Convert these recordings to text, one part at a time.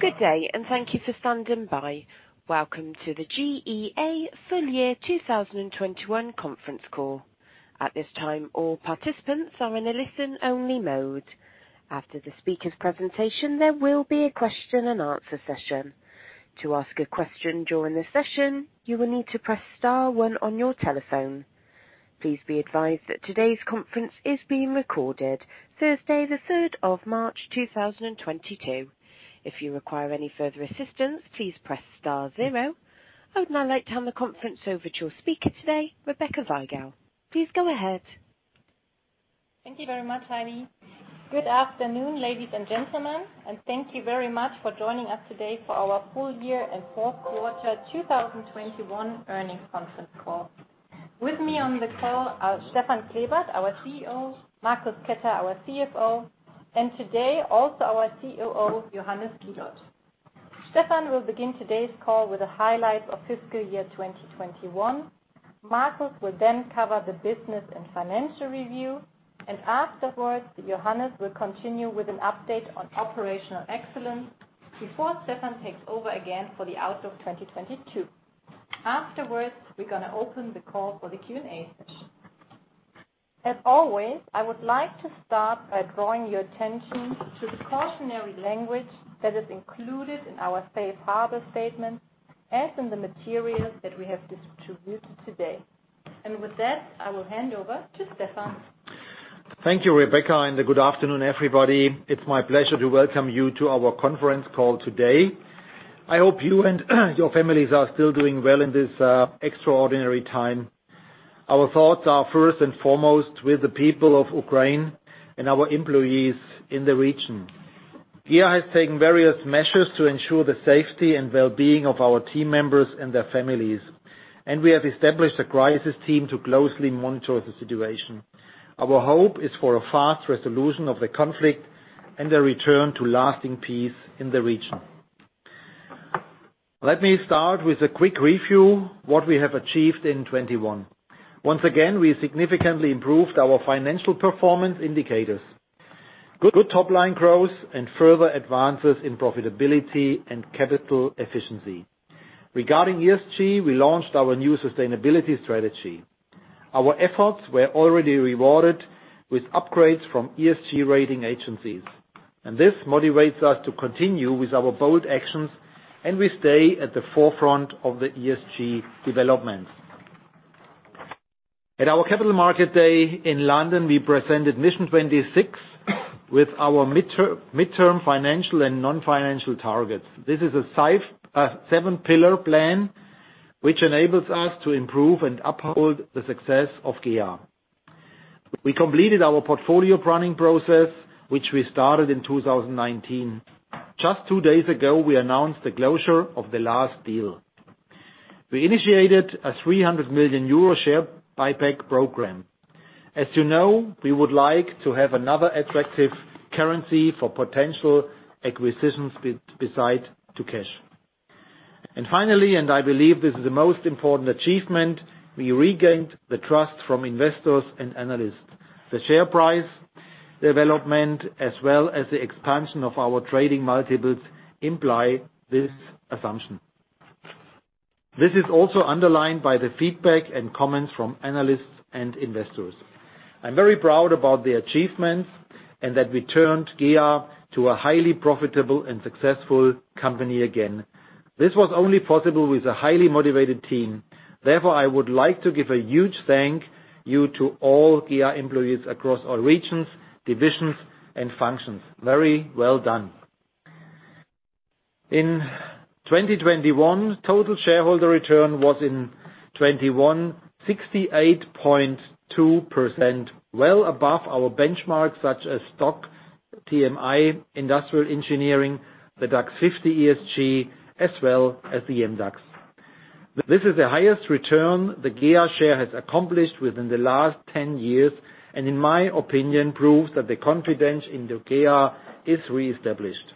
Good day, and thank you for standing by. Welcome to the GEA full year 2021 conference call. At this time, all participants are in a listen-only mode. After the speaker's presentation, there will be a question and answer session. To ask a question during the session, you will need to press star one on your telephone. Please be advised that today's conference is being recorded. Thursday, March 3rd, 2022. If you require any further assistance, please press star zero. I would now like to hand the conference over to your speaker today, Rebecca Weigl. Please go ahead. Thank you very much, Heidi. Good afternoon, ladies and gentlemen, and thank you very much for joining us today for our full year and fourth quarter 2021 earnings conference call. With me on the call are Stefan Klebert, our CEO, Marcus Ketter, our CFO, and today also our COO, Johannes Giloth. Stefan will begin today's call with the highlights of fiscal year 2021. Marcus will then cover the business and financial review. Afterwards, Johannes will continue with an update on operational excellence before Stefan takes over again for the outlook 2022. Afterwards, we're gonna open the call for the Q&A session. As always, I would like to start by drawing your attention to the cautionary language that is included in our safe harbor statement, as in the materials that we have distributed today. With that, I will hand over to Stefan. Thank you, Rebecca, and good afternoon, everybody. It's my pleasure to welcome you to our conference call today. I hope you and your families are still doing well in this extraordinary time. Our thoughts are first and foremost with the people of Ukraine and our employees in the region. GEA has taken various measures to ensure the safety and well-being of our team members and their families, and we have established a crisis team to closely monitor the situation. Our hope is for a fast resolution of the conflict and a return to lasting peace in the region. Let me start with a quick review what we have achieved in 2021. Once again, we significantly improved our financial performance indicators. Good top-line growth and further advances in profitability and capital efficiency. Regarding ESG, we launched our new sustainability strategy. Our efforts were already rewarded with upgrades from ESG rating agencies, and this motivates us to continue with our bold actions, and we stay at the forefront of the ESG developments. At our Capital Markets Day in London, we presented Mission 26 with our midterm financial and non-financial targets. This is a seven-pillar plan which enables us to improve and uphold the success of GEA. We completed our portfolio planning process, which we started in 2019. Just two days ago, we announced the closure of the last deal. We initiated a 300 million euro share buyback program. As you know, we would like to have another attractive currency for potential acquisitions beside to cash. Finally, and I believe this is the most important achievement, we regained the trust from investors and analysts. The share price development as well as the expansion of our trading multiples imply this assumption. This is also underlined by the feedback and comments from analysts and investors. I'm very proud about the achievements and that we turned GEA to a highly profitable and successful company again. This was only possible with a highly motivated team. Therefore, I would like to give a huge thank you to all GEA employees across all regions, divisions, and functions. Very well done. In 2021, total shareholder return was 68.2%, well above our benchmark, such as STOXX TMI Industrial Engineering, the DAX 50 ESG, as well as the MDAX. This is the highest return the GEA share has accomplished within the last 10 years, and in my opinion, proves that the confidence in the GEA is reestablished.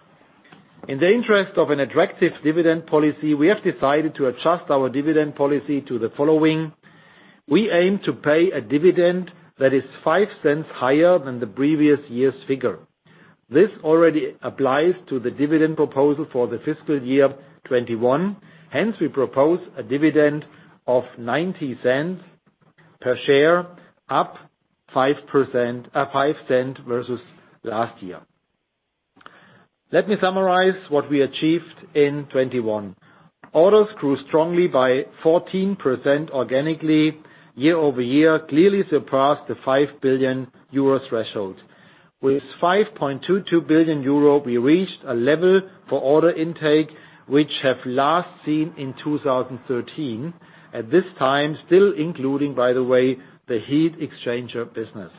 In the interest of an attractive dividend policy, we have decided to adjust our dividend policy to the following. We aim to pay a dividend that is 0.05 higher than the previous year's figure. This already applies to the dividend proposal for the fiscal year 2021. Hence, we propose a dividend of 0.90 per share, up 5%, 0.05 versus last year. Let me summarize what we achieved in 2021. Orders grew strongly by 14% organically year-over-year, clearly surpassed the 5 billion euro threshold. With 5.22 billion euro, we reached a level for order intake which have last seen in 2013. At this time, still including, by the way, the heat exchanger business.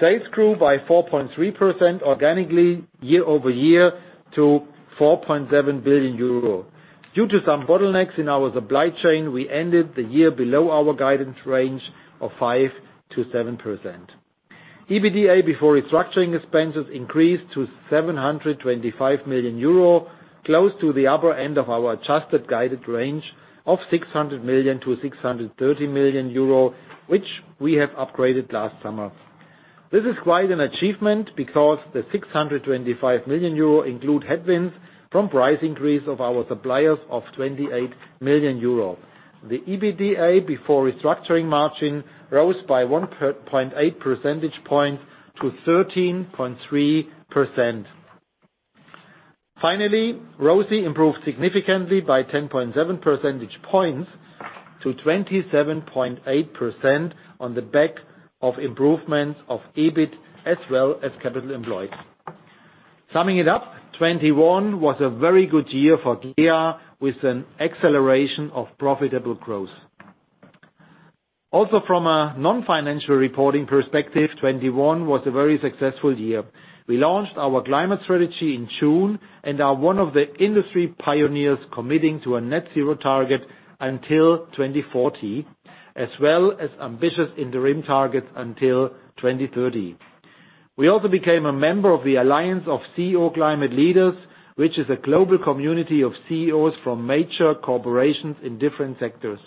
Sales grew by 4.3% organically year-over-year to 4.7 billion euro. Due to some bottlenecks in our supply chain, we ended the year below our guidance range of 5%-7%. EBITDA before restructuring expenses increased to 725 million euro, close to the upper end of our adjusted guided range of 600 million-630 million euro, which we have upgraded last summer. This is quite an achievement because the 725 million euro include headwinds from price increase of our suppliers of 28 million euro. The EBITDA before restructuring margin rose by 1.8 percentage points to 13.3%. Finally, ROCE improved significantly by 10.7 percentage points to 27.8% on the back of improvements of EBIT as well as capital employed. Summing it up, 2021 was a very good year for GEA with an acceleration of profitable growth. From a non-financial reporting perspective, 2021 was a very successful year. We launched our climate strategy in June, and are one of the industry pioneers committing to a net zero target until 2040, as well as ambitious interim targets until 2030. We also became a member of the Alliance of CEO Climate Leaders, which is a global community of CEOs from major corporations in different sectors.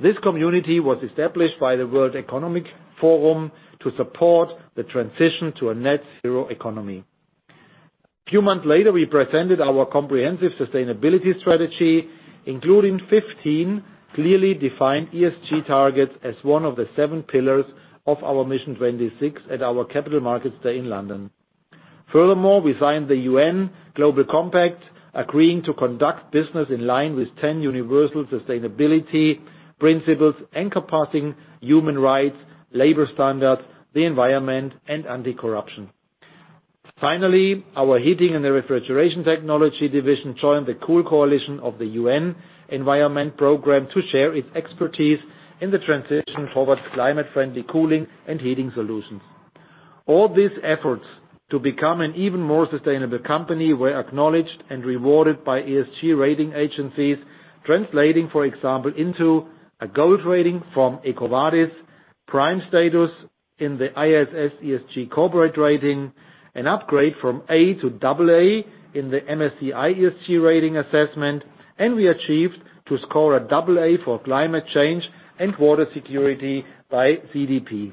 This community was established by the World Economic Forum to support the transition to a net zero economy. A few months later, we presented our comprehensive sustainability strategy, including 15 clearly defined ESG targets as one of the seven pillars of our Mission 26 at our Capital Markets Day in London. Furthermore, we signed the UN Global Compact, agreeing to conduct business in line with 10 universal sustainability principles encompassing human rights, labor standards, the environment, and anti-corruption. Finally, our Heating & Refrigeration Technologies division joined the Cool Coalition of the United Nations Environment Programme to share its expertise in the transition towards climate-friendly cooling and heating solutions. All these efforts to become an even more sustainable company were acknowledged and rewarded by ESG rating agencies. Translating, for example, into a Gold rating from EcoVadis, Prime status in the ISS ESG corporate rating, an upgrade from A to double A in the MSCI ESG rating assessment, and we achieved a score of double A for climate change and water security by CDP.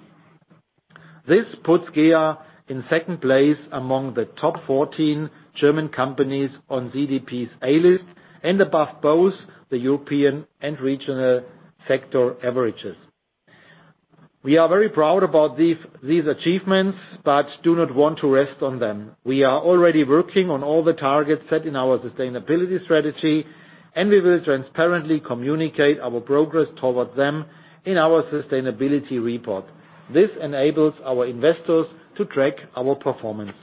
This puts GEA in second place among the top 14 German companies on CDP's A list and above both the European and regional sector averages. We are very proud about these achievements, but do not want to rest on them. We are already working on all the targets set in our sustainability strategy, and we will transparently communicate our progress towards them in our sustainability report. This enables our investors to track our performance.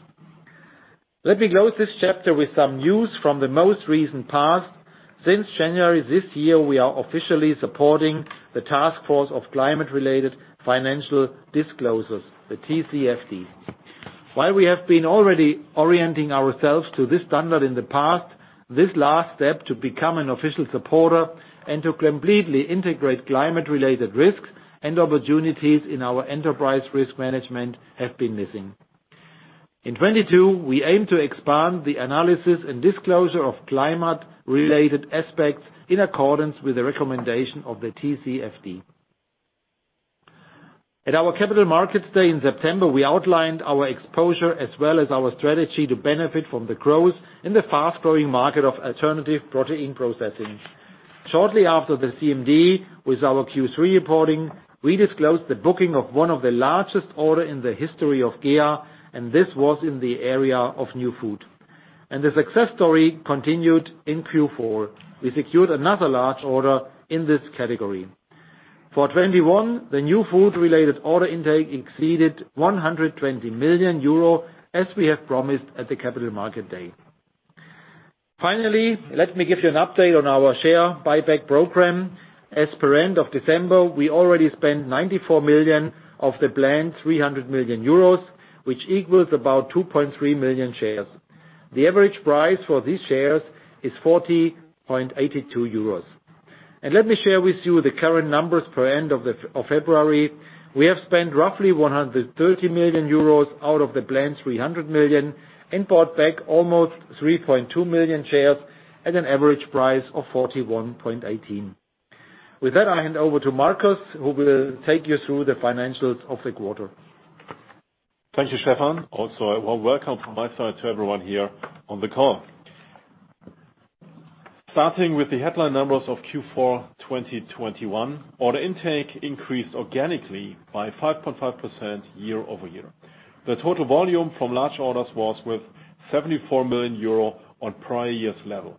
Let me close this chapter with some news from the most recent past. Since January this year, we are officially supporting the Task Force on Climate-related Financial Disclosures, the TCFD. While we have been already orienting ourselves to this standard in the past, this last step to become an official supporter and to completely integrate climate-related risks and opportunities in our enterprise risk management have been missing. In 2022, we aim to expand the analysis and disclosure of climate-related aspects in accordance with the recommendation of the TCFD. At our Capital Markets Day in September, we outlined our exposure as well as our strategy to benefit from the growth in the fast-growing market of alternative protein processing. Shortly after the CMD, with our Q3 reporting, we disclosed the booking of one of the largest order in the history of GEA, and this was in the area of New Food. The success story continued in Q4. We secured another large order in this category. For 2021, the New Food-related order intake exceeded 120 million euro, as we have promised at the Capital Markets Day. Finally, let me give you an update on our share buyback program. As per end of December, we already spent 94 million of the planned 300 million euros, which equals about 2.3 million shares. The average price for these shares is 40.82 euros. Let me share with you the current numbers for end of February. We have spent roughly 130 million euros out of the planned 300 million and bought back almost 3.2 million shares at an average price of 41.18. With that, I hand over to Marcus, who will take you through the financials of the quarter. Thank you, Stefan. Also, a warm welcome from my side to everyone here on the call. Starting with the headline numbers of Q4 2021, order intake increased organically by 5.5% year-over-year. The total volume from large orders was 74 million euro on prior year's level.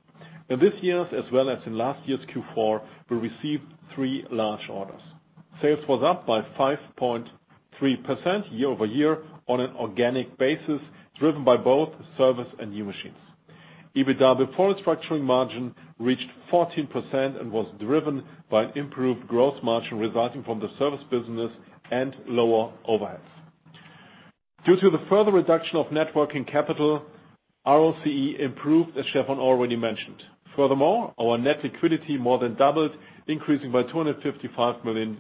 In this year's as well as in last year's Q4, we received three large orders. Sales was up by 5.3% year-over-year on an organic basis, driven by both service and new machines. EBITDA before restructuring margin reached 14% and was driven by improved gross margin resulting from the service business and lower overheads. Due to the further reduction of net working capital, ROCE improved, as Stefan already mentioned. Furthermore, our net liquidity more than doubled, increasing by 255 million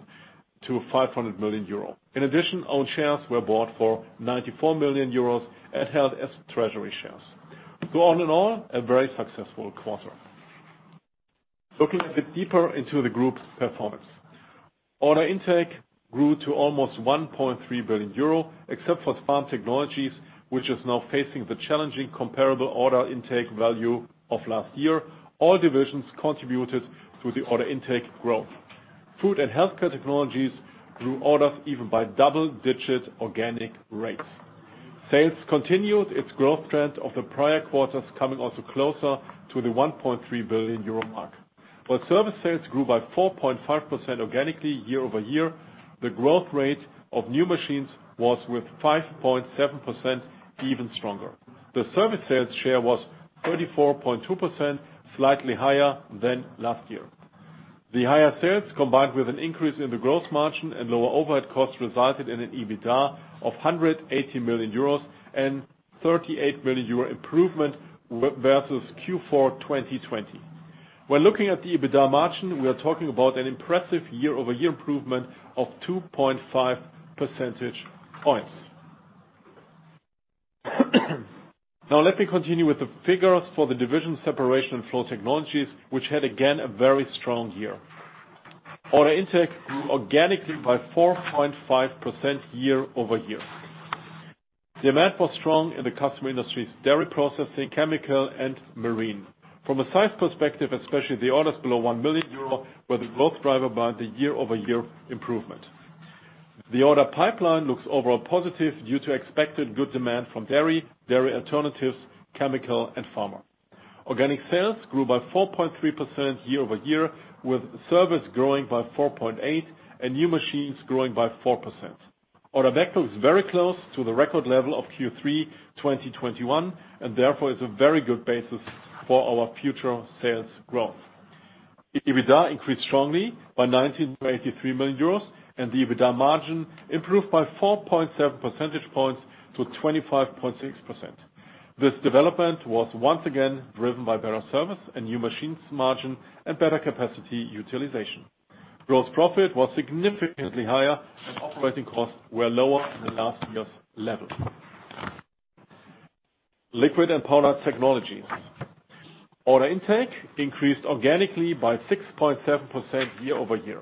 to 500 million euro. In addition, own shares were bought for 94 million euros and held as treasury shares. All in all, a very successful quarter. Looking a bit deeper into the group's performance. Order intake grew to almost 1.3 billion euro, except for Farm Technologies, which is now facing the challenging comparable order intake value of last year. All divisions contributed to the order intake growth. Food and Healthcare Technologies grew orders even by double-digit organic rates. Sales continued its growth trend of the prior quarters, coming also closer to the 1.3 billion euro mark. While service sales grew by 4.5% organically year-over-year, the growth rate of new machines was, with 5.7%, even stronger. The service sales share was 34.2%, slightly higher than last year. The higher sales, combined with an increase in the growth margin and lower overhead costs, resulted in an EBITDA of 180 million euros and 38 million euro improvement versus Q4 2020. When looking at the EBITDA margin, we are talking about an impressive year-over-year improvement of 2.5 percentage points. Now let me continue with the figures for the division Separation & Flow Technologies, which had, again, a very strong year. Order intake grew organically by 4.5% year-over-year. Demand was strong in the customer industries, dairy processing, chemical, and marine. From a size perspective, especially the orders below 1 million euro were the growth driver by the year-over-year improvement. The order pipeline looks overall positive due to expected good demand from dairy alternatives, chemical, and pharma. Organic sales grew by 4.3% year-over-year, with service growing by 4.8% and new machines growing by 4%. Order backlog is very close to the record level of Q3 2021, and therefore, is a very good basis for our future sales growth. EBITDA increased strongly by 19.83 million euros, and the EBITDA margin improved by 4.7 percentage points to 25.6%. This development was once again driven by better service and new machines margin and better capacity utilization. Gross profit was significantly higher and operating costs were lower than last year's level. Liquid and Powder Technologies. Order intake increased organically by 6.7% year-over-year.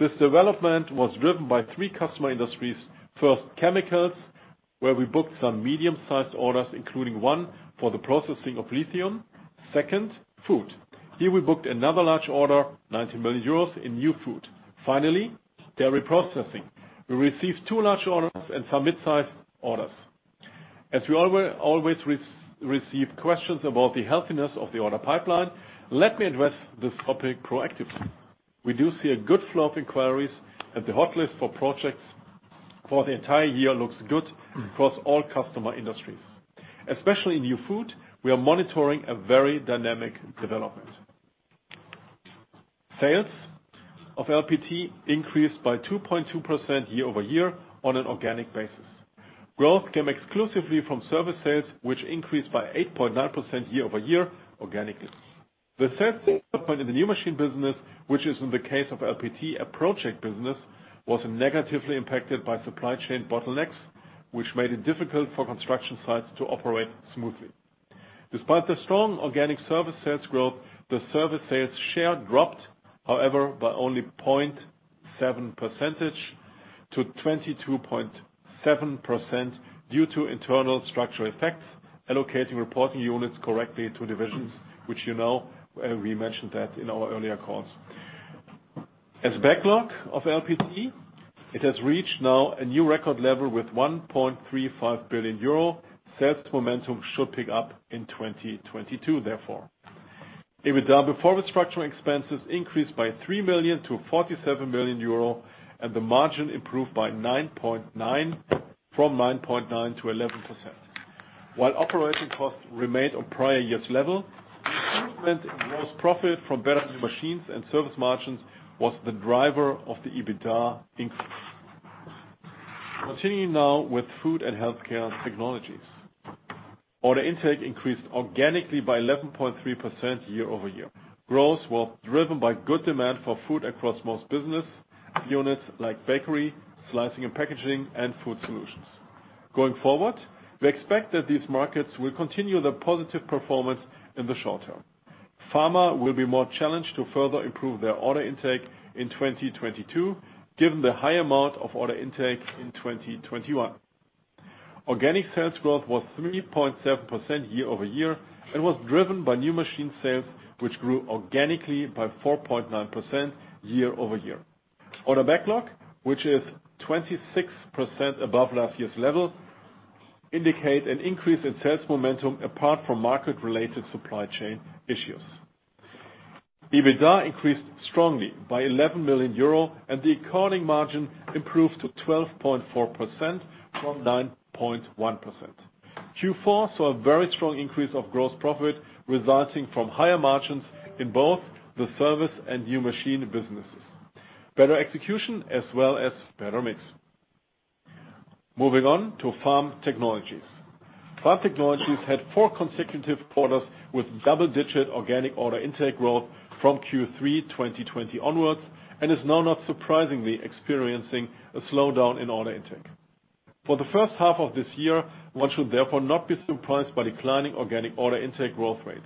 This development was driven by three customer industries. First, chemicals, where we booked some medium-sized orders, including one for the processing of lithium. Second, food. Here we booked another large order, 90 million euros, in New Food. Finally, dairy processing. We received two large orders and some mid-size orders. As we always receive questions about the healthiness of the order pipeline, let me address this topic proactively. We do see a good flow of inquiries, and the hotlist for projects for the entire year looks good across all customer industries. Especially in New Food, we are monitoring a very dynamic development. Sales of LPT increased by 2.2% year-over-year on an organic basis. Growth came exclusively from service sales, which increased by 8.9% year-over-year organically. The sales development in the new machine business, which is in the case of LPT, a project business, was negatively impacted by supply chain bottlenecks, which made it difficult for construction sites to operate smoothly. Despite the strong organic service sales growth, the service sales share dropped, however, by only 0.7 percentage points to 22.7% due to internal structural effects, allocating reporting units correctly to divisions, which you know, we mentioned that in our earlier calls. The backlog of LPT has reached now a new record level with 1.35 billion euro. Sales momentum should pick up in 2022, therefore. EBITDA before restructuring expenses increased by 3 million to 47 million euro, and the margin improved from 9.9% to 11%. While operating costs remained on prior year's level, the improvement in gross profit from better machines and service margins was the driver of the EBITDA increase. Continuing now with Food and Healthcare Technologies. Order intake increased organically by 11.3% year-over-year. Growth was driven by good demand for food across most business units like bakery, slicing and packaging, and food solutions. Going forward, we expect that these markets will continue the positive performance in the short term. Pharma will be more challenged to further improve their order intake in 2022, given the high amount of order intake in 2021. Organic sales growth was 3.7% year-over-year and was driven by new machine sales, which grew organically by 4.9% year-over-year. Order backlog, which is 26% above last year's level, indicates an increase in sales momentum apart from market-related supply chain issues. EBITDA increased strongly by 11 million euro, and the accounting margin improved to 12.4% from 9.1%. Q4 saw a very strong increase of gross profit resulting from higher margins in both the service and new machine businesses. Better execution as well as better mix. Moving on to Farm Technologies. Farm Technologies had four consecutive quarters with double-digit organic order intake growth from Q3 2020 onwards, and is now not surprisingly experiencing a slowdown in order intake. For the first half of this year, one should therefore not be surprised by declining organic order intake growth rates.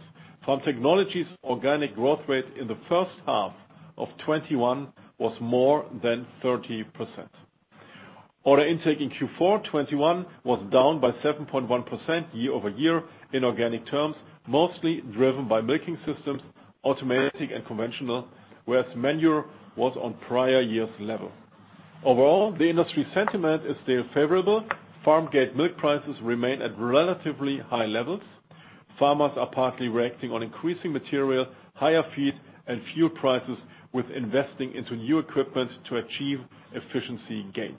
Farm Technologies organic growth rate in the first half of 2021 was more than 30%. Order intake in Q4 2021 was down by 7.1% year-over-year in organic terms, mostly driven by milking systems, automatic and conventional, whereas manure was on prior year's level. Overall, the industry sentiment is still favorable. Farm gate milk prices remain at relatively high levels. Farmers are partly reacting to increasing material, higher feed, and fuel prices with investing into new equipment to achieve efficiency gains.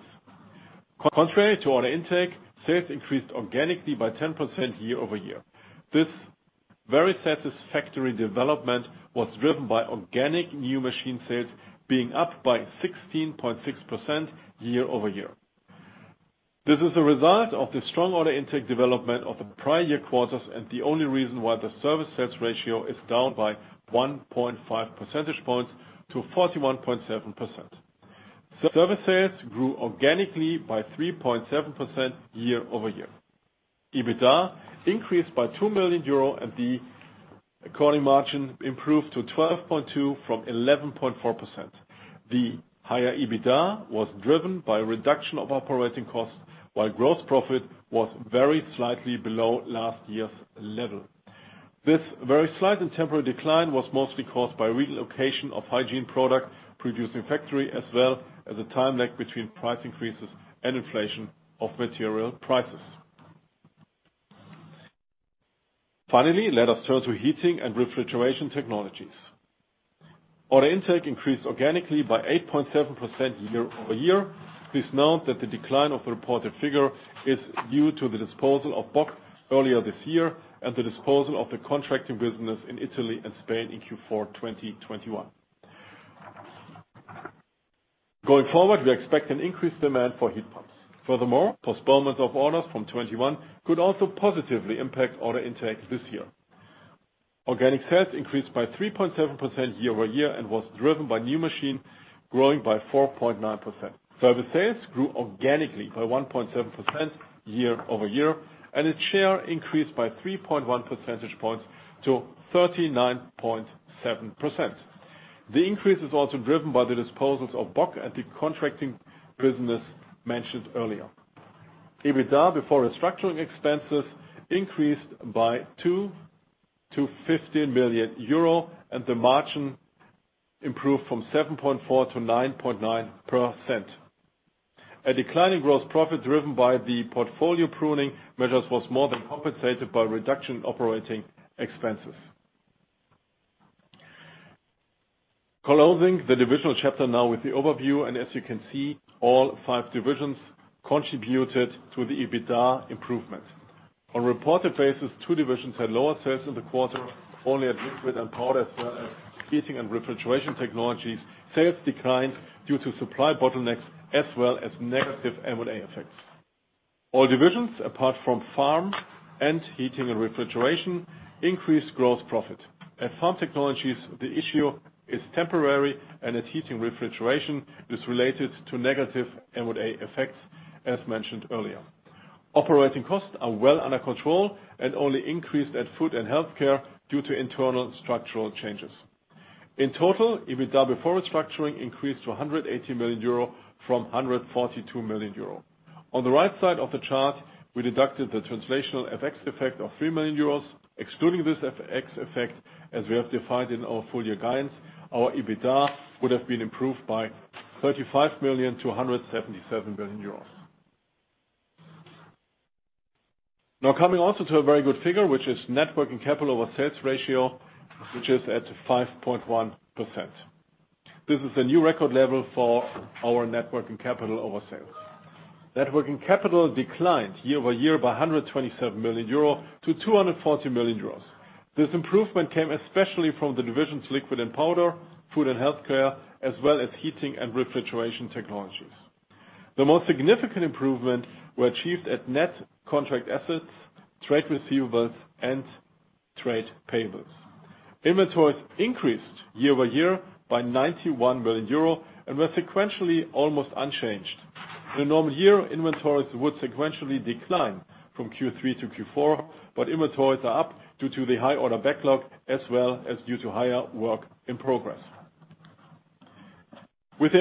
Contrary to order intake, sales increased organically by 10% year-over-year. This very satisfactory development was driven by organic new machine sales being up by 16.6% year-over-year. This is a result of the strong order intake development of the prior year quarters, and the only reason why the service sales ratio is down by 1.5 percentage points to 41.7%. Service sales grew organically by 3.7% year-over-year. EBITDA increased by 2 million euro, and the accounting margin improved to 12.2% from 11.4%. The higher EBITDA was driven by a reduction of operating costs, while gross profit was very slightly below last year's level. This very slight and temporary decline was mostly caused by relocation of hygiene product-producing factory, as well as a time lag between price increases and inflation of material prices. Finally, let us turn to Heating & Refrigeration Technologies. Order intake increased organically by 8.7% year-over-year. Please note that the decline of the reported figure is due to the disposal of Bock earlier this year and the disposal of the contracting business in Italy and Spain in Q4 2021. Going forward, we expect an increased demand for heat pumps. Furthermore, postponement of orders from 2021 could also positively impact order intake this year. Organic sales increased by 3.7% year-over-year and was driven by new machines growing by 4.9%. Service sales grew organically by 1.7% year-over-year, and its share increased by 3.1 percentage points to 39.7%. The increase is also driven by the disposals of Bock and the contracting business mentioned earlier. EBITDA before restructuring expenses increased by 2 million to 15 million euro, and the margin improved from 7.4% to 9.9%. A decline in gross profit driven by the portfolio pruning measures was more than compensated by reduced operating expenses. Closing the divisional chapter now with the overview, and as you can see, all five divisions contributed to the EBITDA improvement. On a reported basis, two divisions had lower sales in the quarter, only at Liquid and Powder Technologies, as well as Heating & Refrigeration Technologies. Sales declined due to supply bottlenecks as well as negative M&A effects. All divisions, apart from Farm Technologies and Heating & Refrigeration Technologies, increased gross profit. At Farm Technologies, the issue is temporary, and at Heating & Refrigeration Technologies, it's related to negative M&A effects, as mentioned earlier. Operating costs are well under control and only increased at Food and Healthcare Technologies due to internal structural changes. In total, EBITDA before restructuring increased to 180 million euro from 142 million euro. On the right side of the chart, we deducted the translational FX effect of 3 million euros. Excluding this FX effect, as we have defined in our full-year guidance, our EBITDA would have been improved by 35 million to 177 million euros. Now coming also to a very good figure, which is net working capital over sales ratio, which is at 5.1%. This is a new record level for our net working capital over sales. Net working capital declined year-over-year by 127 million euro to 240 million euros. This improvement came especially from the divisions Liquid and Powder, Food and Healthcare, as well as Heating and Refrigeration Technologies. The most significant improvement were achieved at net contract assets, trade receivables, and trade payables. Inventories increased year-over-year by 91 million euro and were sequentially almost unchanged. In a normal year, inventories would sequentially decline from Q3 to Q4, but inventories are up due to the high order backlog as well as due to higher work in progress. With the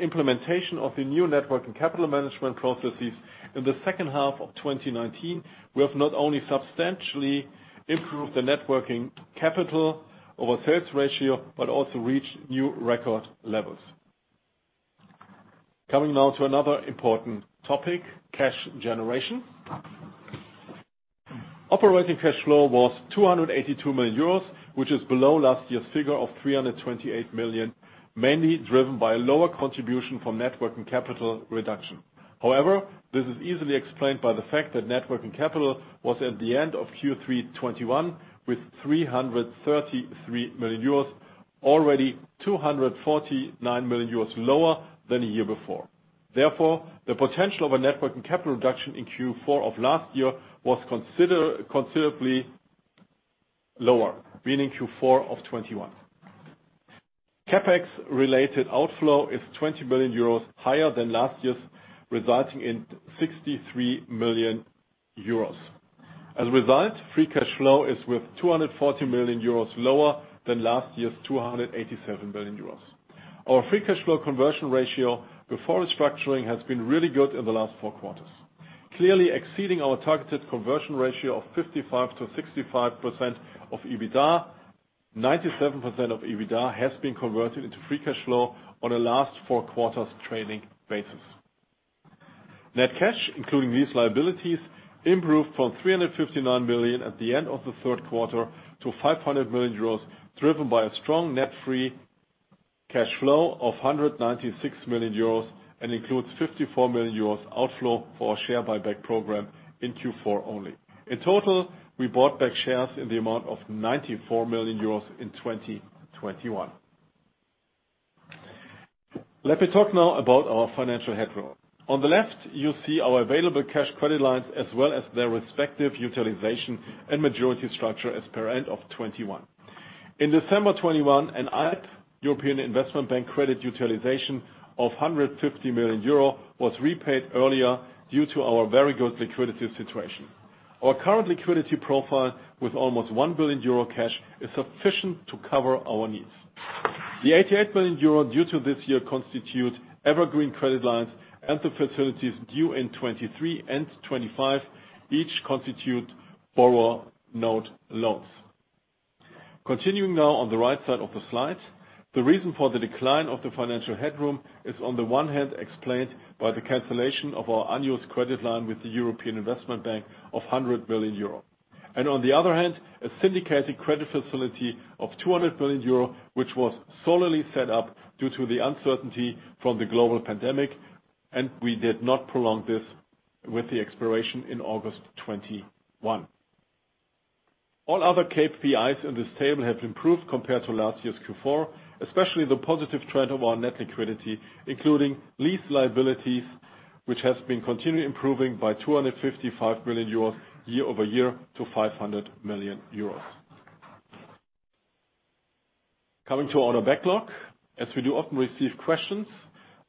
implementation of the new net working capital management processes in the second half of 2019, we have not only substantially improved the net working capital over sales ratio but also reached new record levels. Coming now to another important topic, cash generation. Operating cash flow was 282 million euros, which is below last year's figure of 328 million, mainly driven by lower contribution from net working capital reduction. However, this is easily explained by the fact that net working capital was at the end of Q3 2021 with 333 million euros, already 249 million euros lower than the year before. Therefore, the potential of a net working capital reduction in Q4 of last year was considerably lower, meaning Q4 of 2021. CapEx related outflow is 20 million euros higher than last year's, resulting in 63 million euros. As a result, free cash flow was 240 million euros lower than last year's 287 million euros. Our free cash flow conversion ratio before restructuring has been really good in the last four quarters. Clearly exceeding our targeted conversion ratio of 55%-65% of EBITDA, 97% of EBITDA has been converted into free cash flow on a last four quarters trailing basis. Net cash, including these liabilities, improved from 359 million at the end of the third quarter to 500 million euros, driven by a strong net free cash flow of 196 million euros and includes 54 million euros outflow for our share buyback program in Q4 only. In total, we bought back shares in the amount of 94 million euros in 2021. Let me talk now about our financial headroom. On the left, you'll see our available cash credit lines as well as their respective utilization and maturity structure as per end of 2021. In December 2021, a European Investment Bank credit utilization of 150 million euro was repaid earlier due to our very good liquidity situation. Our current liquidity profile with almost 1 billion euro cash is sufficient to cover our needs. The 88 million euro due this year constitute evergreen credit lines, and the facilities due in 2023 and 2025 each constitute borrower note loans. Continuing now on the right side of the slide, the reason for the decline of the financial headroom is on the one hand explained by the cancellation of our unused credit line with the European Investment Bank of 100 million euro. On the other hand, a syndicated credit facility of 200 million euro, which was solely set up due to the uncertainty from the global pandemic, and we did not prolong this with the expiration in August 2021. All other KPIs in this table have improved compared to last year's Q4, especially the positive trend of our net liquidity, including lease liabilities, which has been continually improving by 255 million euros year over year to 500 million euros. Coming to order backlog. As we do often receive questions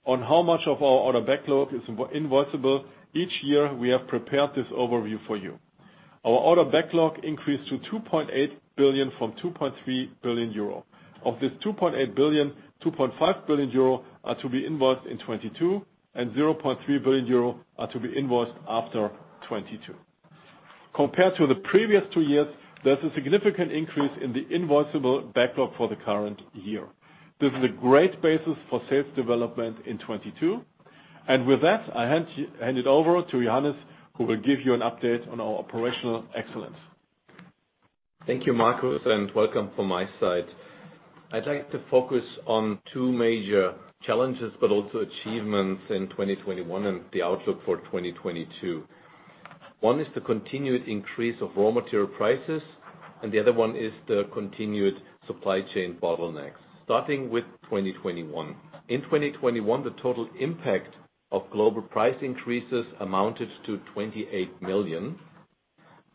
on how much of our order backlog is invoicable, each year we have prepared this overview for you. Our order backlog increased to 2.8 billion from 2.3 billion euro. Of this 2.8 billion, 2.5 billion euro are to be invoiced in 2022 and 0.3 billion euro are to be invoiced after 2022. Compared to the previous two years, there's a significant increase in the invoicable backlog for the current year. This is a great basis for sales development in 2022. With that, I hand it over to Johannes, who will give you an update on our operational excellence. Thank you, Markus, and welcome from my side. I'd like to focus on two major challenges, but also achievements in 2021 and the outlook for 2022. One is the continued increase of raw material prices, and the other one is the continued supply chain bottlenecks. Starting with 2021. In 2021, the total impact of global price increases amounted to 28 million.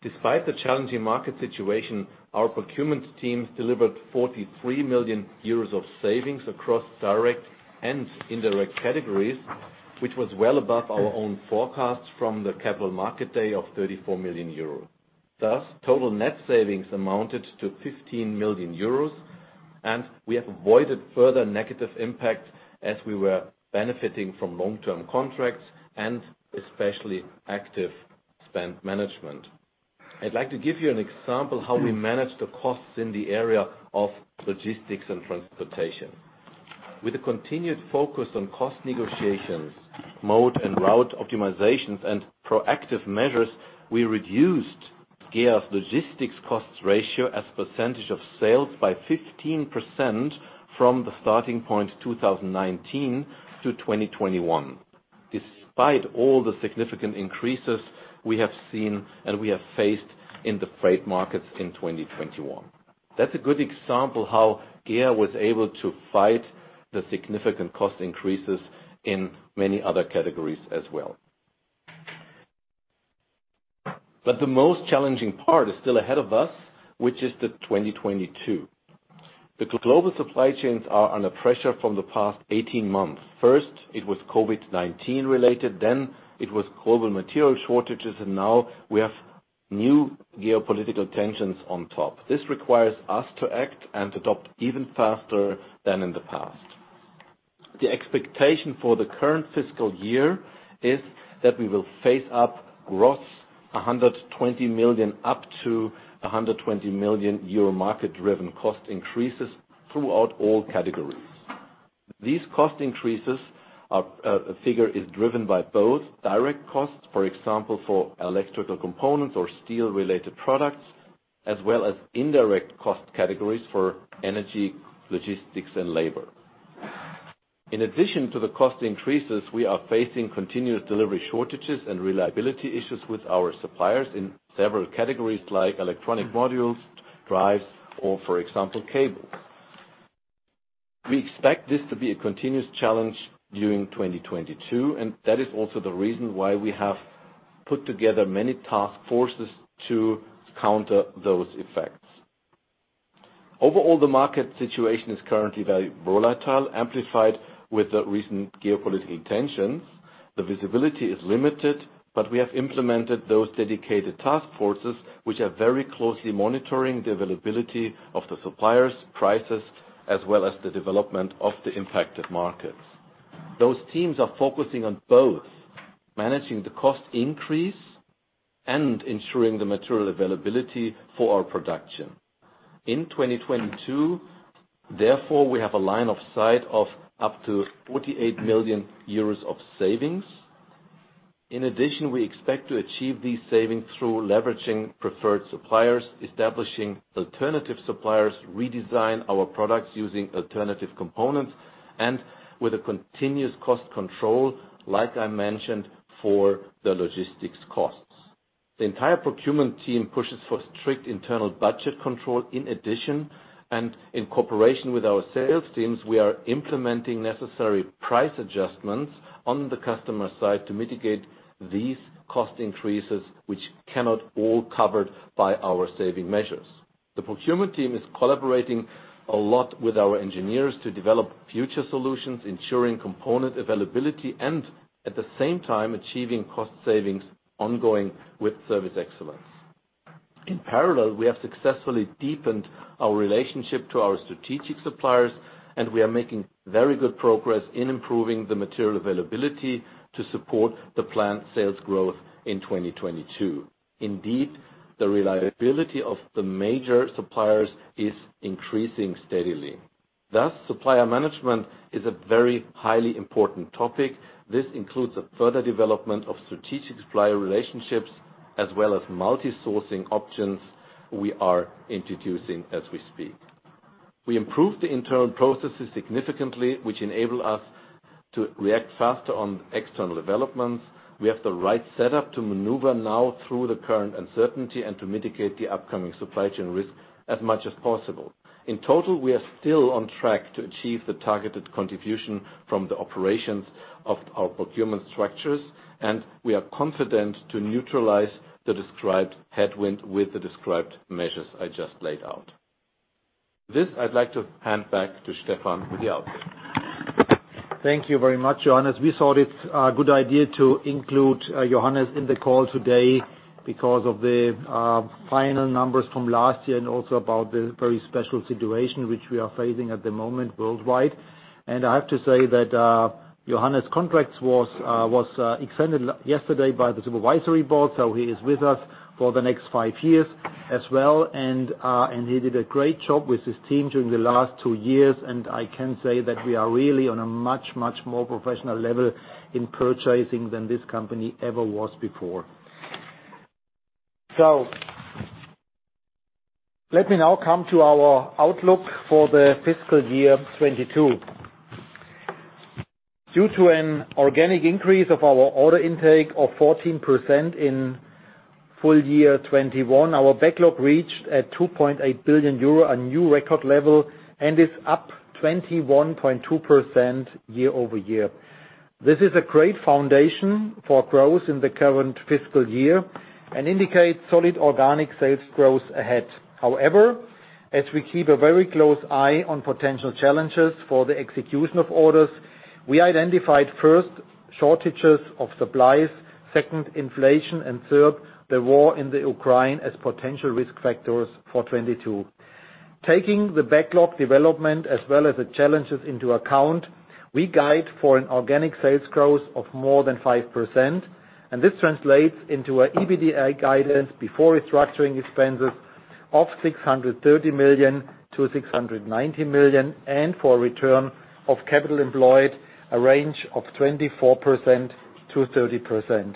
Despite the challenging market situation, our procurement teams delivered 43 million euros of savings across direct and indirect categories, which was well above our own forecasts from the Capital Markets Day of 34 million euros. Thus, total net savings amounted to 15 million euros, and we have avoided further negative impact as we were benefiting from long-term contracts and especially active spend management. I'd like to give you an example of how we manage the costs in the area of logistics and transportation. With a continued focus on cost negotiations, mode and route optimizations, and proactive measures, we reduced GEA's logistics costs ratio as a percentage of sales by 15% from the starting point 2019 to 2021. Despite all the significant increases we have seen and we have faced in the freight markets in 2021, that's a good example how GEA was able to fight the significant cost increases in many other categories as well. The most challenging part is still ahead of us, which is the 2022. The global supply chains are under pressure from the past 18 months. First, it was COVID-19 related, then it was global material shortages, and now we have new geopolitical tensions on top. This requires us to act and adopt even faster than in the past. The expectation for the current fiscal year is that we will face up to 120 million euro market-driven cost increases throughout all categories. These cost increases, this figure is driven by both direct costs, for example, for electrical components or steel-related products, as well as indirect cost categories for energy, logistics, and labor. In addition to the cost increases, we are facing continued delivery shortages and reliability issues with our suppliers in several categories like electronic modules, drives, or for example, cables. We expect this to be a continuous challenge during 2022, and that is also the reason why we have put together many task forces to counter those effects. Overall, the market situation is currently very volatile, amplified with the recent geopolitical tensions. The visibility is limited, but we have implemented those dedicated task forces which are very closely monitoring the availability of the suppliers, prices, as well as the development of the impacted markets. Those teams are focusing on both managing the cost increase and ensuring the material availability for our production. In 2022, therefore, we have a line of sight of up to 48 million euros of savings. In addition, we expect to achieve these savings through leveraging preferred suppliers, establishing alternative suppliers, redesign our products using alternative components, and with a continuous cost control, like I mentioned, for the logistics costs. The entire procurement team pushes for strict internal budget control in addition. In cooperation with our sales teams, we are implementing necessary price adjustments on the customer side to mitigate these cost increases, which cannot all be covered by our savings measures. The procurement team is collaborating a lot with our engineers to develop future solutions, ensuring component availability and, at the same time, achieving cost savings ongoing with service excellence. In parallel, we have successfully deepened our relationship to our strategic suppliers, and we are making very good progress in improving the material availability to support the planned sales growth in 2022. Indeed, the reliability of the major suppliers is increasing steadily. Thus, supplier management is a very highly important topic. This includes a further development of strategic supplier relationships as well as multi-sourcing options we are introducing as we speak. We improved the internal processes significantly, which enable us to react faster on external developments. We have the right setup to maneuver now through the current uncertainty and to mitigate the upcoming supply chain risk as much as possible. In total, we are still on track to achieve the targeted contribution from the operations of our procurement structures, and we are confident to neutralize the described headwind with the described measures I just laid out. This, I'd like to hand back to Stefan with the outlook. Thank you very much, Johannes. We thought it a good idea to include Johannes in the call today because of the final numbers from last year and also about the very special situation which we are facing at the moment worldwide. I have to say that Johannes' contract was extended yesterday by the Supervisory Board, so he is with us for the next five years as well. He did a great job with his team during the last two years, and I can say that we are really on a much more professional level in purchasing than this company ever was before. Let me now come to our outlook for the fiscal year 2022. Due to an organic increase of our order intake of 14% in FY 2021, our backlog reached 2.8 billion euro, a new record level, and is up 21.2% year-over-year. This is a great foundation for growth in the current fiscal year and indicates solid organic sales growth ahead. However, as we keep a very close eye on potential challenges for the execution of orders, we identified, first, shortages of supplies, second, inflation, and third, the war in Ukraine as potential risk factors for 2022. Taking the backlog development as well as the challenges into account, we guide for an organic sales growth of more than 5%, and this translates into an EBITDA guidance before restructuring expenses of 630 million-690 million and for return on capital employed a range of 24%-30%.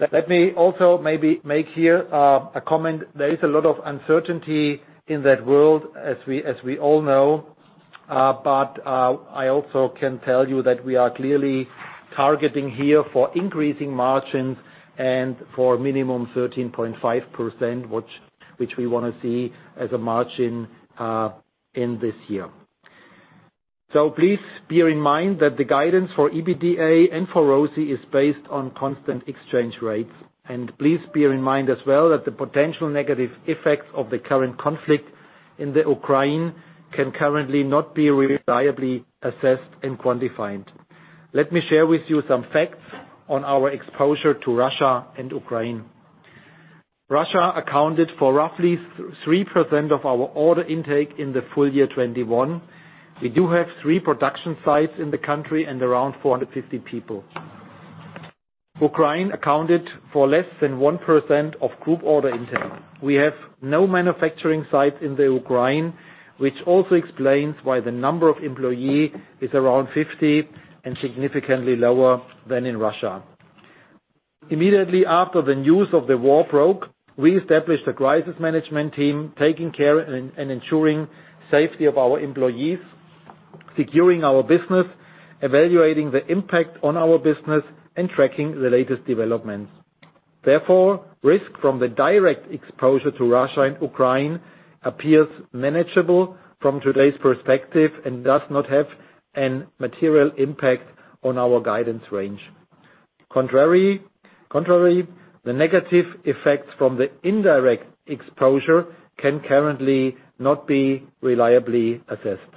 Let me also maybe make here a comment. There is a lot of uncertainty in that world, as we all know, but I also can tell you that we are clearly targeting here for increasing margins and for minimum 13.5%, which we wanna see as a margin in this year. Please bear in mind that the guidance for EBITDA and for ROCE is based on constant exchange rates. Please bear in mind as well that the potential negative effects of the current conflict in the Ukraine can currently not be reliably assessed and quantified. Let me share with you some facts on our exposure to Russia and Ukraine. Russia accounted for roughly 3% of our order intake in the full year 2021. We do have three production sites in the country and around 450 people. Ukraine accounted for less than 1% of group order intake. We have no manufacturing site in the Ukraine, which also explains why the number of employees is around 50 and significantly lower than in Russia. Immediately after the news of the war broke, we established a crisis management team, taking care and ensuring safety of our employees, securing our business, evaluating the impact on our business, and tracking the latest developments. Therefore, risk from the direct exposure to Russia and Ukraine appears manageable from today's perspective and does not have a material impact on our guidance range. Contrary, the negative effects from the indirect exposure can currently not be reliably assessed.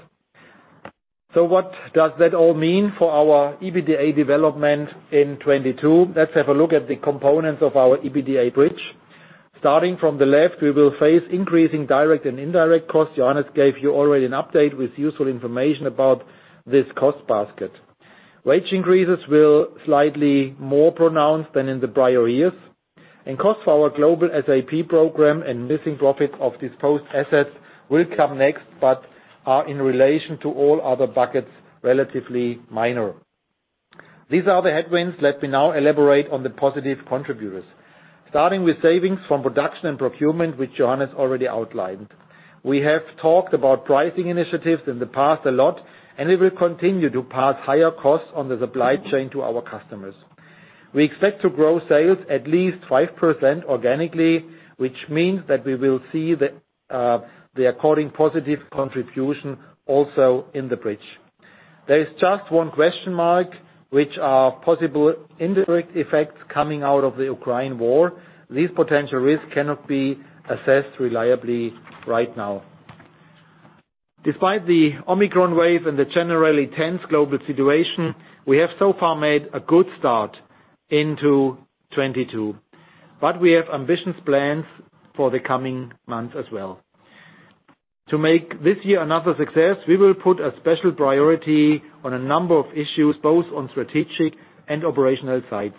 What does that all mean for our EBITDA development in 2022? Let's have a look at the components of our EBITDA bridge. Starting from the left, we will face increasing direct and indirect costs. Johannes gave you already an update with useful information about this cost basket. Wage increases will be slightly more pronounced than in the prior years, and costs for our global SAP program and missing profits of disposed assets will come next, but are in relation to all other buckets, relatively minor. These are the headwinds. Let me now elaborate on the positive contributors. Starting with savings from production and procurement, which Johannes already outlined. We have talked about pricing initiatives in the past a lot, and we will continue to pass higher costs on the supply chain to our customers. We expect to grow sales at least 5% organically, which means that we will see the according positive contribution also in the bridge. There is just one question mark, which are possible indirect effects coming out of the Ukraine war. These potential risks cannot be assessed reliably right now. Despite the Omicron wave and the generally tense global situation, we have so far made a good start into 2022, but we have ambitious plans for the coming months as well. To make this year another success, we will put a special priority on a number of issues, both on strategic and operational sides.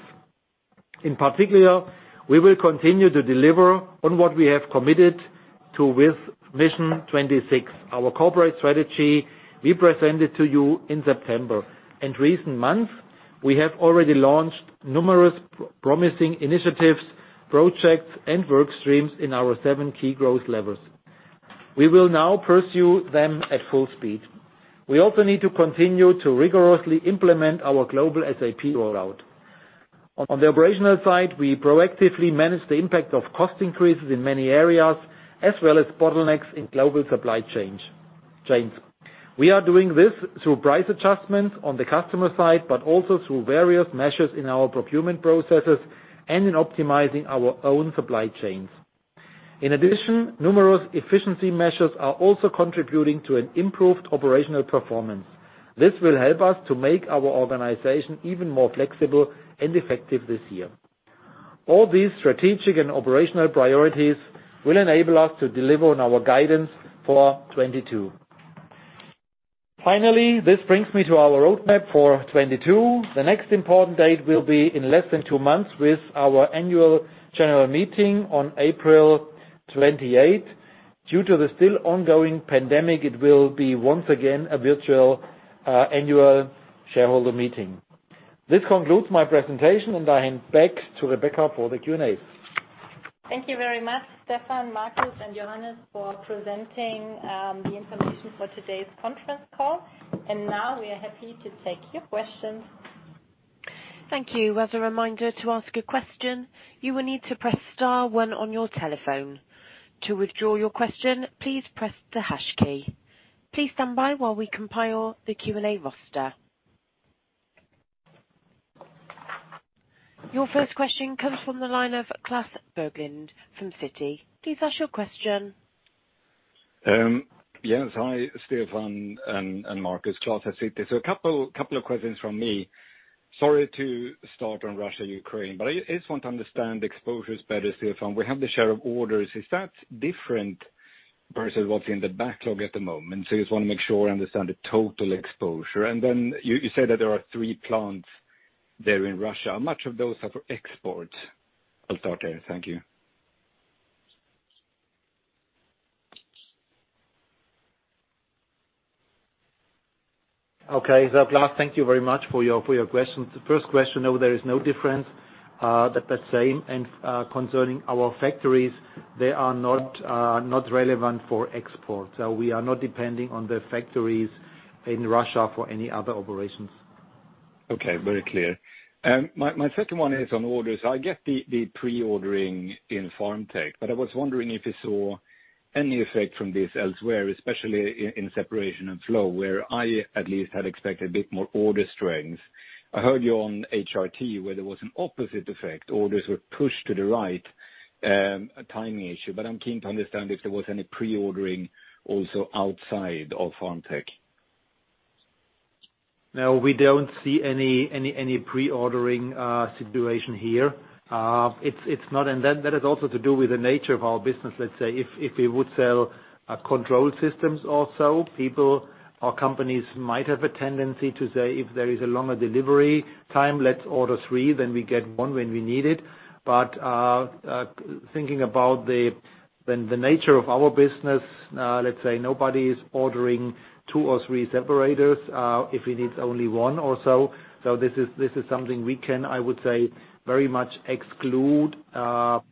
In particular, we will continue to deliver on what we have committed to with Mission 26, our corporate strategy we presented to you in September. In recent months, we have already launched numerous promising initiatives, projects and work streams in our seven key growth levers. We will now pursue them at full speed. We also need to continue to rigorously implement our global SAP rollout. On the operational side, we proactively manage the impact of cost increases in many areas, as well as bottlenecks in global supply chains. We are doing this through price adjustments on the customer side, but also through various measures in our procurement processes and in optimizing our own supply chains. In addition, numerous efficiency measures are also contributing to an improved operational performance. This will help us to make our organization even more flexible and effective this year. All these strategic and operational priorities will enable us to deliver on our guidance for 2022. Finally, this brings me to our roadmap for 2022. The next important date will be in less than two months with our annual general meeting on April 28. Due to the still ongoing pandemic, it will be once again a virtual annual shareholder meeting. This concludes my presentation, and I hand back to Rebecca for the Q&A. Thank you very much, Stefan, Marcus, and Johannes, for presenting the information for today's conference call. Now we are happy to take your questions. Thank you. As a reminder, to ask a question, you will need to press star one on your telephone. To withdraw your question, please press the hash key. Please stand by while we compile the Q&A roster. Your first question comes from the line of Klas Bergelind from Citi. Please ask your question. Yes. Hi, Stefan and Marcus. Klas at Citi. A couple of questions from me. Sorry to start on Russia, Ukraine, but I just want to understand the exposures better, Stefan. We have the share of orders. Is that different versus what's in the backlog at the moment? I just want to make sure I understand the total exposure. Then you say that there are three plants there in Russia. How much of those are for export? I'll start there. Thank you. Okay. Klas, thank you very much for your questions. The first question, no, there is no difference. They're same. Concerning our factories, they are not relevant for export. We are not depending on the factories in Russia for any other operations. Okay, very clear. My second one is on orders. I get the pre-ordering in Pharma Technology, but I was wondering if you saw any effect from this elsewhere, especially in Separation & Flow, where I at least had expected a bit more order strength. I heard you on HRT, where there was an opposite effect. Orders were pushed to the right, a timing issue. I'm keen to understand if there was any pre-ordering also outside of Pharma Technology. No, we don't see any pre-ordering situation here. It's not. That is also to do with the nature of our business, let's say. If we would sell control systems also, people or companies might have a tendency to say, "If there is a longer delivery time, let's order three, then we get one when we need it." Thinking about the nature of our business, let's say nobody is ordering two or three separators if he needs only one or so. This is something we can, I would say, very much exclude in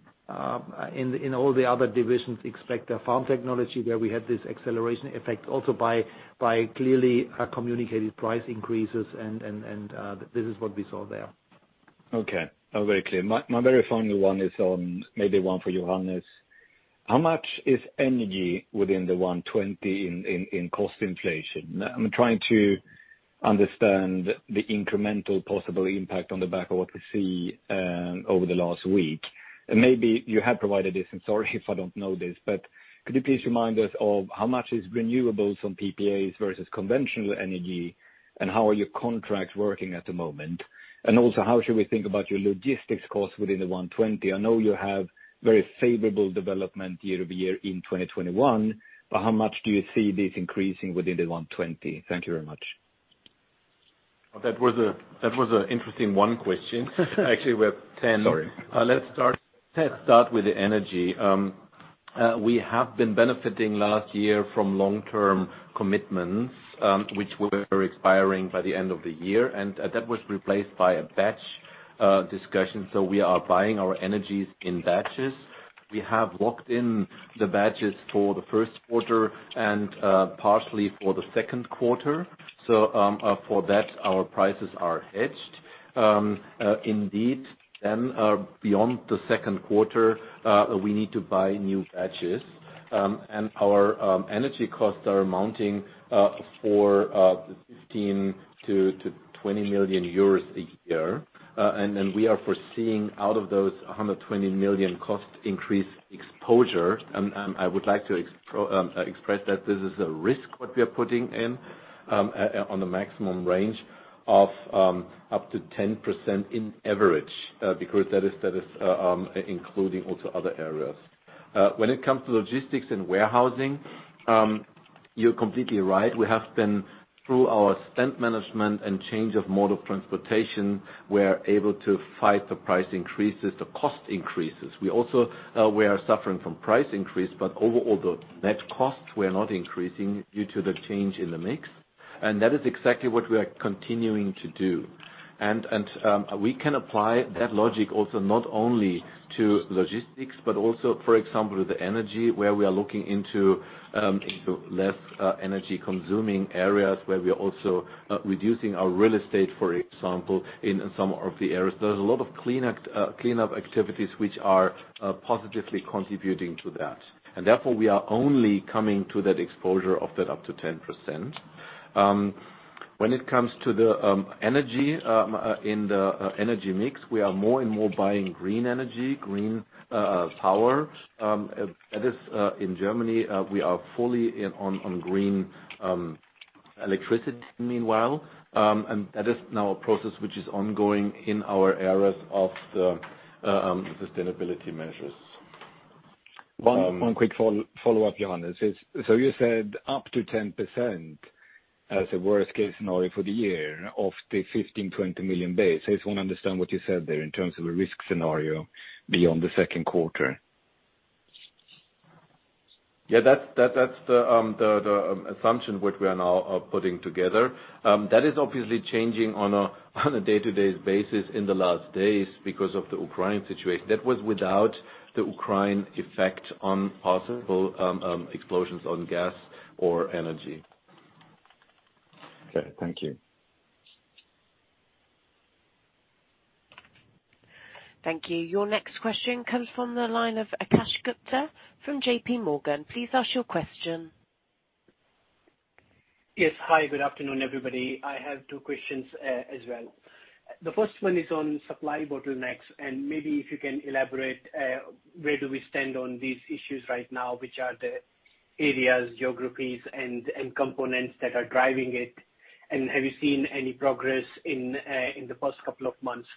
all the other divisions, expect Pharma Technology, where we had this acceleration effect also by clearly communicated price increases and this is what we saw there. Okay. No, very clear. My very final one is on maybe one for Johannes. How much is energy within the 120 in cost inflation? I'm trying to understand the incremental possible impact on the back of what we see over the last week. Maybe you have provided this, and sorry if I don't know this, but could you please remind us of how much is renewables on PPAs versus conventional energy, and how are your contracts working at the moment? Also, how should we think about your logistics costs within the 120? I know you have very favorable development year-over-year in 2021, but how much do you see this increasing within the 120? Thank you very much. That was an interesting one question. Actually, we have 10. Sorry. Let's start with the energy. We have been benefiting last year from long-term commitments, which were expiring by the end of the year, and that was replaced by a batch discussion. We are buying our energies in batches. We have locked in the batches for the first quarter and partially for the second quarter. For that, our prices are hedged. Beyond the second quarter, we need to buy new batches. Our energy costs are mounting for the 15 million-20 million euros a year. We are foreseeing out of those 120 million cost increase exposure. I would like to express that this is a risk what we are putting in on the maximum range of up to 10% in average, because that is including also other areas. When it comes to logistics and warehousing, you're completely right. We have been through our spend management and change of mode of transportation. We are able to fight the price increases, the cost increases. We also are suffering from price increase, but overall the net costs were not increasing due to the change in the mix. That is exactly what we are continuing to do. We can apply that logic also not only to logistics, but also, for example, to energy, where we are looking into less energy consuming areas, where we are also reducing our real estate, for example, in some of the areas. There's a lot of cleanup activities which are positively contributing to that. Therefore, we are only coming to that exposure of that up to 10%. When it comes to the energy in the energy mix, we are more and more buying green energy, green power. That is in Germany we are fully on green electricity meanwhile. That is now a process which is ongoing in our areas of the sustainability measures. One quick follow-up, Johannes. You said up to 10% as a worst-case scenario for the year off the 15 million-20 million base. I just want to understand what you said there in terms of a risk scenario beyond the second quarter. Yeah. That's the assumption that we are now putting together. That is obviously changing on a day-to-day basis in the last days because of the Ukraine situation. That was without the Ukraine effect on possible explosions on gas or energy. Okay. Thank you. Thank you. Your next question comes from the line of Akash Gupta from JPMorgan. Please ask your question. Yes. Hi, good afternoon, everybody. I have two questions as well. The first one is on supply bottlenecks, and maybe if you can elaborate where do we stand on these issues right now? Which are the areas, geographies, and components that are driving it? And have you seen any progress in the past couple of months?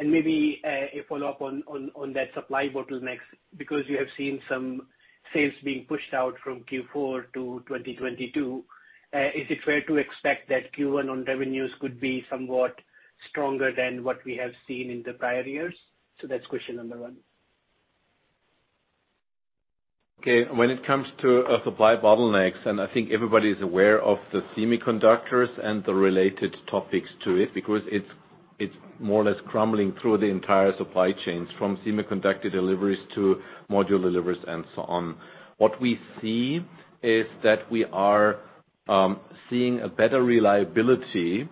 And maybe a follow-up on that supply bottlenecks, because you have seen some sales being pushed out from Q4 to 2022, is it fair to expect that Q1 on revenues could be somewhat stronger than what we have seen in the prior years? That's question number one. Okay. When it comes to supply bottlenecks, I think everybody is aware of the semiconductors and the related topics to it, because it's more or less crumbling through the entire supply chains, from semiconductor deliveries to module deliveries and so on. What we see is that we are seeing a better reliability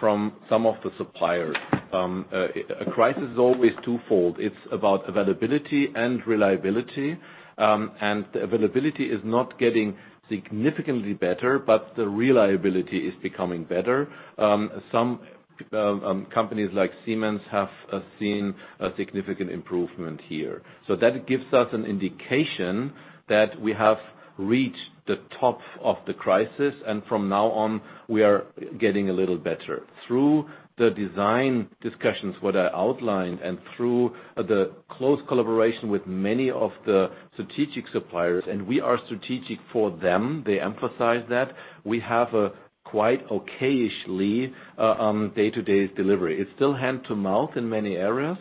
from some of the suppliers. A crisis is always twofold. It's about availability and reliability. The availability is not getting significantly better, but the reliability is becoming better. Some companies like Siemens have seen a significant improvement here. That gives us an indication that we have reached the top of the crisis, and from now on, we are getting a little better. Through the design discussions what I outlined and through the close collaboration with many of the strategic suppliers, and we are strategic for them, they emphasize that we have a quite okay-ish-ly day-to-day delivery. It's still hand to mouth in many areas,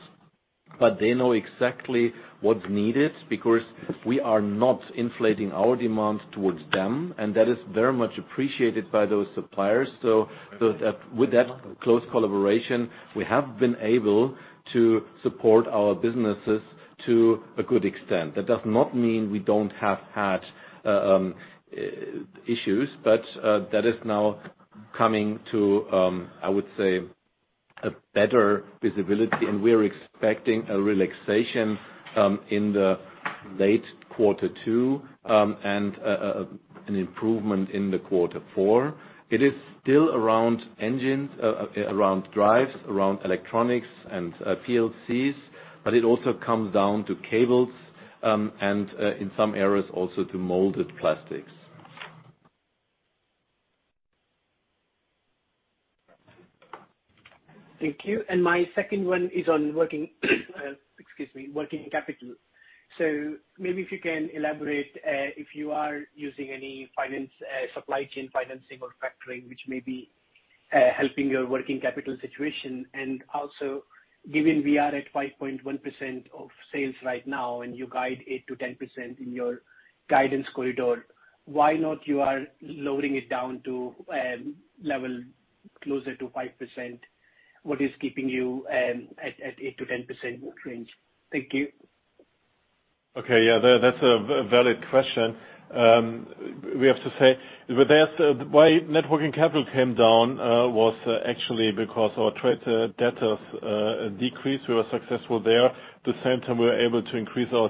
but they know exactly what's needed because we are not inflating our demand towards them, and that is very much appreciated by those suppliers. That, with that close collaboration, we have been able to support our businesses to a good extent. That does not mean we don't have had issues, but that is now coming to I would say. A better visibility, and we're expecting a relaxation in the late quarter two, and an improvement in the quarter four. It is still around engines, around drives, around electronics and PLCs, but it also comes down to cables, and in some areas also to molded plastics. Thank you. My second one is on working capital. Maybe if you can elaborate if you are using any supply chain financing or factoring, which may be helping your working capital situation. Also, given we are at 5.1% of sales right now, and you guide 8%-10% in your guidance corridor, why not you are lowering it down to level closer to 5%? What is keeping you at 8%-10% range? Thank you. That's a valid question. We have to say why net working capital came down was actually because our trade debtors decreased. We were successful there. At the same time, we were able to increase our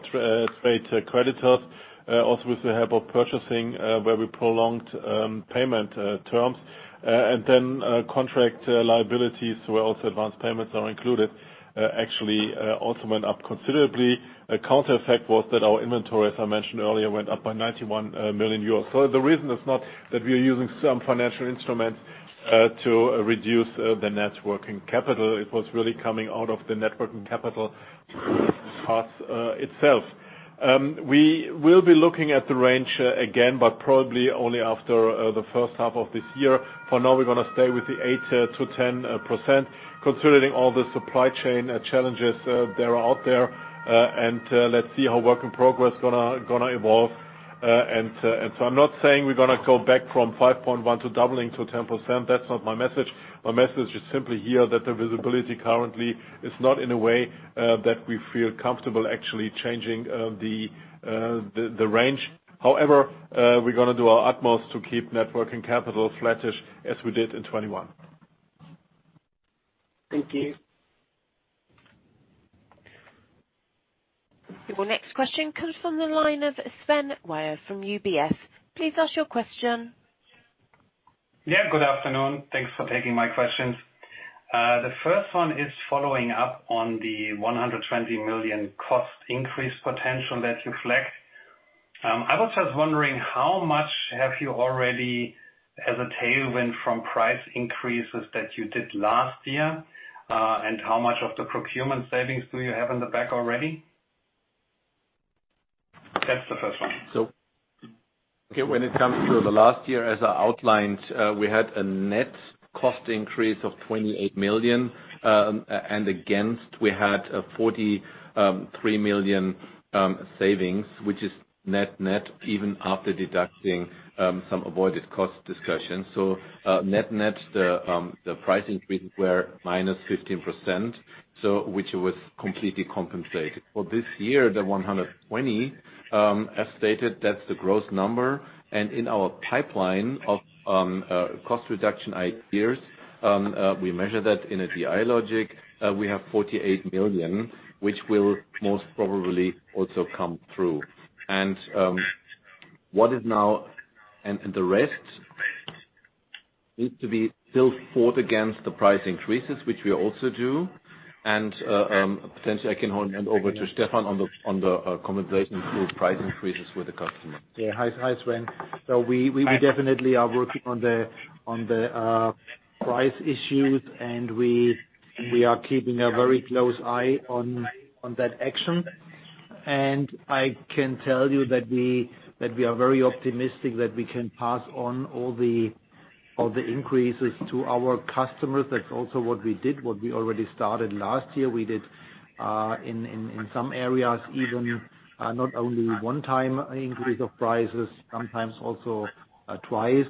trade creditors also with the help of purchasing where we prolonged payment terms. Contract liabilities where advanced payments are also included actually also went up considerably. A counter effect was that our inventory, as I mentioned earlier, went up by 91 million euros. The reason is not that we are using some financial instrument to reduce the net working capital. It was really coming out of the net working capital parts itself. We will be looking at the range again, but probably only after the first half of this year. For now, we're gonna stay with the 8%-10% considering all the supply chain challenges that are out there. Let's see how work in progress gonna evolve. I'm not saying we're gonna go back from 5.1 to doubling to 10%. That's not my message. My message is simply here that the visibility currently is not in a way that we feel comfortable actually changing the range. However, we're gonna do our utmost to keep net working capital flattish as we did in 2021. Thank you. The next question comes from the line of Sven Weier from UBS. Please ask your question. Good afternoon. Thanks for taking my questions. The first one is following up on the 120 million cost increase potential that you flagged. I was just wondering how much do you already have as a tailwind from price increases that you did last year, and how much of the procurement savings do you have in the bag already? That's the first one. When it comes to the last year as I outlined, we had a net cost increase of 28 million, and against we had 43 million savings, which is net-net even after deducting some avoided cost discussions. Net-net, the price increases were -15%, which was completely compensated. For this year, the 120 million, as stated, that's the gross number. In our pipeline of cost reduction ideas, we measure that in a DI logic. We have 48 million, which will most probably also come through. The rest needs to be still fought against the price increases, which we also do. Potentially I can hand over to Stefan on the compensation through price increases with the customer. Hi, Sven. We definitely are working on the price issues, and we are keeping a very close eye on that action. I can tell you that we are very optimistic that we can pass on all the increases to our customers. That's also what we already started last year. We did in some areas even not only one time increase of prices, sometimes also twice.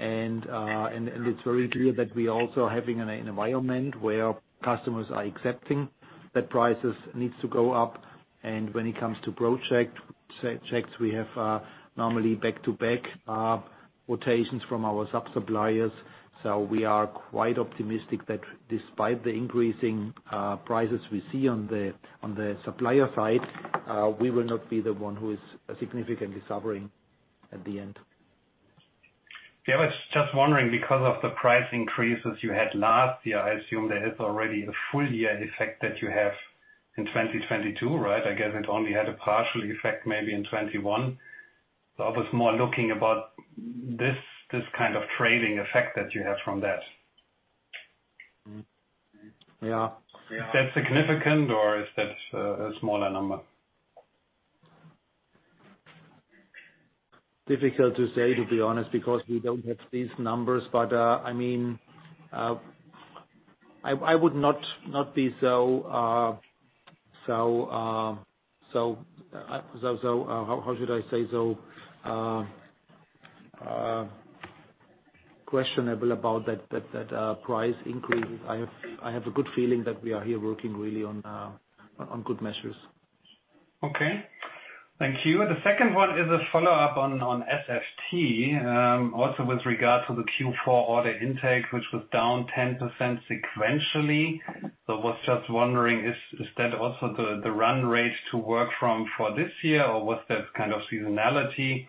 It's very clear that we're also having an environment where customers are accepting that prices needs to go up. When it comes to project checks, we have normally back-to-back quotations from our sub-suppliers. We are quite optimistic that despite the increasing prices we see on the supplier side, we will not be the one who is significantly suffering at the end. Yeah. I was just wondering because of the price increases you had last year. I assume there is already a full year effect that you have in 2022, right? I guess it only had a partial effect maybe in 2021. I was more looking about this kind of trailing effect that you have from that. Is that significant or is that a smaller number? Difficult to say, to be honest, because we don't have these numbers. I mean, I would not be so, how should I say, so questionable about that price increase. I have a good feeling that we are here working really on good measures. Okay. Thank you. The second one is a follow-up on SFT, also with regard to the Q4 order intake, which was down 10% sequentially. Was just wondering, is that also the run rate to work from for this year, or was that kind of seasonality?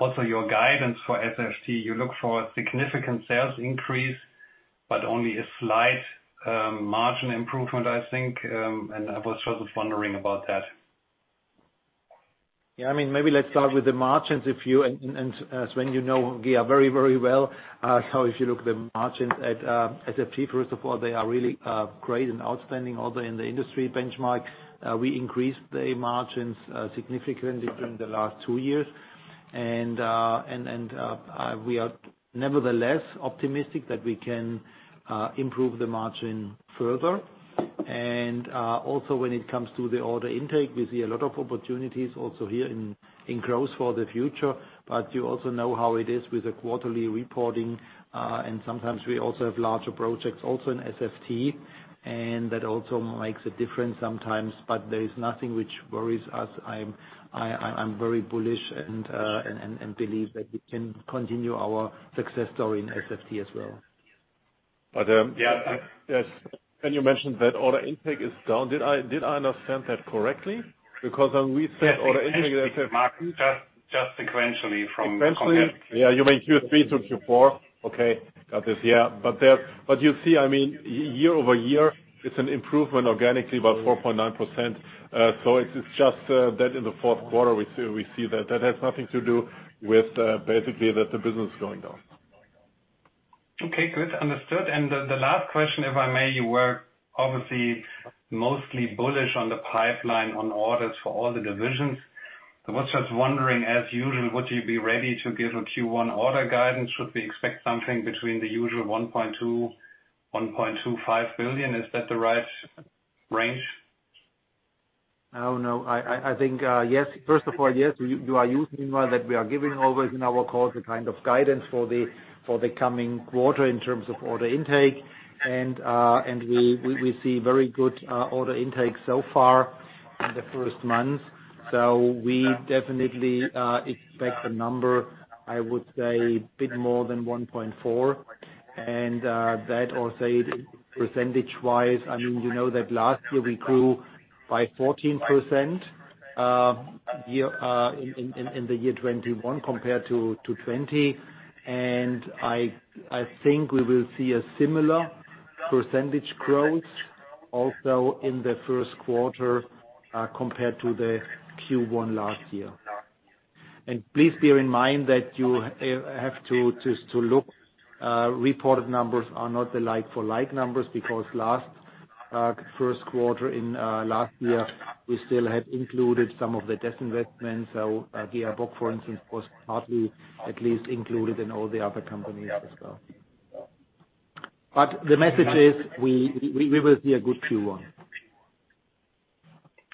Also your guidance for SFT, you look for a significant sales increase, but only a slight margin improvement, I think. I was sort of wondering about that. Yeah, I mean, maybe let's start with the margins, if you, Sven, you know GEA very, very well. So if you look at the margins at SFT, first of all, they are really great and outstanding, although in the industry benchmark, we increased the margins significantly during the last two years. We are nevertheless optimistic that we can improve the margin further. Also, when it comes to the order intake, we see a lot of opportunities also here in growth for the future. You also know how it is with the quarterly reporting, and sometimes we also have larger projects also in SFT, and that also makes a difference sometimes. There is nothing which worries us. I'm very bullish and believe that we can continue our success story in SFT as well. Yeah, yes. You mentioned that order intake is down. Did I understand that correctly? Because when we said order intake. Yes, in SFT margin, just sequentially from compared. Sequentially. Yeah, you mean Q3 to Q4? Okay. Got this. Yeah. You see, I mean, year over year, it's an improvement organically, about 4.9%. So it's just that in the fourth quarter we see that. That has nothing to do with basically that the business is going down. Okay, good. Understood. The last question, if I may, you were obviously mostly bullish on the pipeline on orders for all the divisions. I was just wondering, as usual, would you be ready to give a Q1 order guidance? Should we expect something between the usual 1.2 billion and 1.25 billion? Is that the right range? I think, yes. First of all, yes, you are used meanwhile that we are giving always in our calls a kind of guidance for the coming quarter in terms of order intake. We see very good order intake so far in the first months. We definitely expect a number, I would say, a bit more than 1.4. That or say percentage-wise, I mean, you know that last year we grew by 14% year in the year 2021 compared to 2020. I think we will see a similar percentage growth also in the first quarter compared to the Q1 last year. Please bear in mind that you have to look at reported numbers are not the like for like numbers because last year's first quarter, we still had included some of the divestments. GEA Bock, for instance, was partly at least included in all the other companies as well. The message is we will see a good Q1.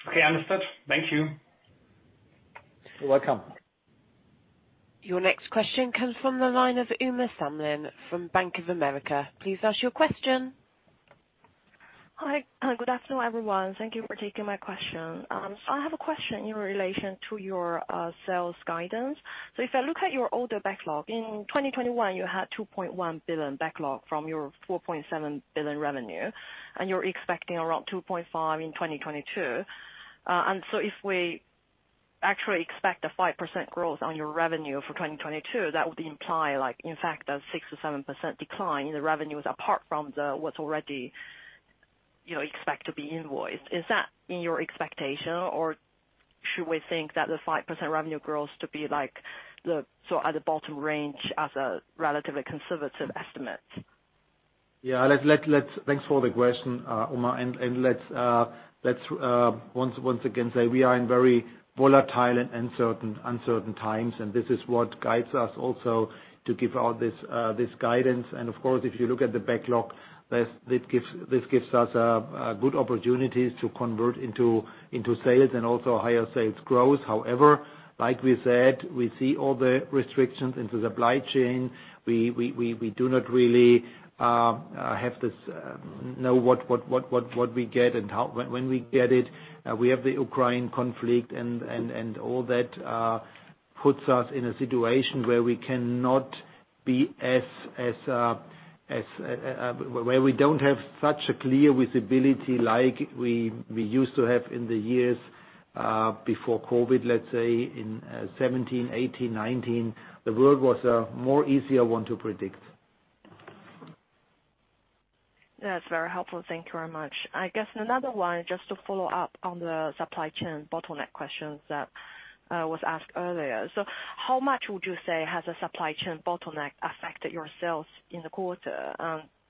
Okay. Understood. Thank you. You're welcome. Your next question comes from the line of Uma Samlin from Bank of America. Please ask your question. Hi. Good afternoon, everyone. Thank you for taking my question. I have a question in relation to your sales guidance. If I look at your order backlog, in 2021 you had 2.1 billion backlog from your 4.7 billion revenue, and you're expecting around 2.5 billion in 2022. If we actually expect a 5% growth on your revenue for 2022, that would imply, like, in fact, a 6%-7% decline in the revenues apart from the, what's already, you know, expect to be invoiced. Is that in your expectation, or should we think that the 5% revenue growth to be like the, so at the bottom range as a relatively conservative estimate? Thanks for the question, Uma. Let's once again say we are in very volatile and uncertain times, and this is what guides us also to give out this guidance. Of course, if you look at the backlog, this gives us good opportunities to convert into sales and also higher sales growth. However, like we said, we see all the restrictions in the supply chain. We do not really know what we get and how and when we get it. We have the Ukraine conflict and all that puts us in a situation where we don't have such a clear visibility like we used to have in the years before COVID, let's say in 2017, 2018, 2019. The world was a more easier one to predict. That's very helpful. Thank you very much. I guess another one, just to follow up on the supply chain bottleneck questions that was asked earlier. How much would you say has the supply chain bottleneck affected your sales in the quarter?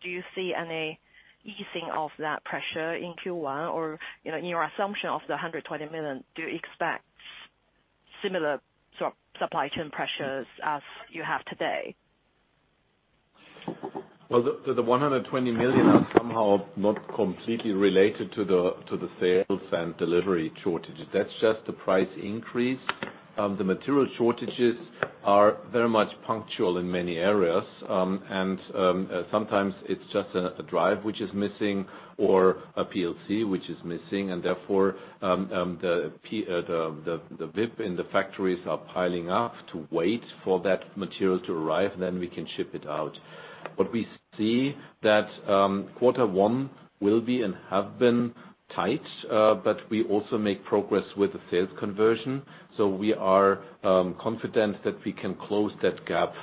Do you see any easing of that pressure in Q1? Or, you know, in your assumption of the 120 million, do you expect similar supply chain pressures as you have today? Well, the 120 million are somehow not completely related to the sales and delivery shortages. That's just the price increase the material shortages are very much punctual in many areas. Sometimes it's just a drive which is missing or a PLC which is missing, and therefore, the WIP in the factories are piling up to wait for that material to arrive, then we can ship it out. What we see that quarter one will be and have been tight, but we also make progress with the sales conversion. We are confident that we can close that gap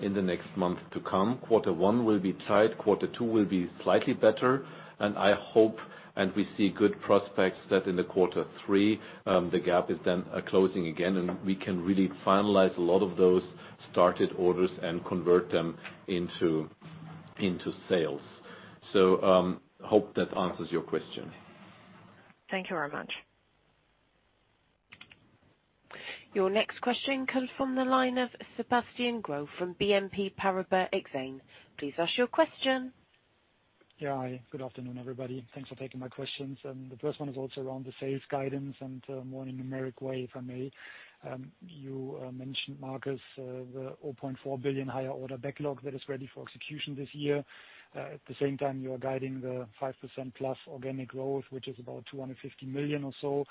in the next month to come. Quarter one will be tight, quarter two will be slightly better, and I hope we see good prospects that in the quarter three the gap is then closing again, and we can really finalize a lot of those started orders and convert them into sales. Hope that answers your question. Thank you very much. Your next question comes from the line of Sebastian Growe from BNP Paribas Exane. Please ask your question. Yeah. Good afternoon, everybody. Thanks for taking my questions. The first one is also around the sales guidance and more in numeric way, if I may. You mentioned, Marcus, the 0.4 billion higher order backlog that is ready for execution this year. At the same time, you are guiding the 5%+ organic growth, which is about 250 million or so.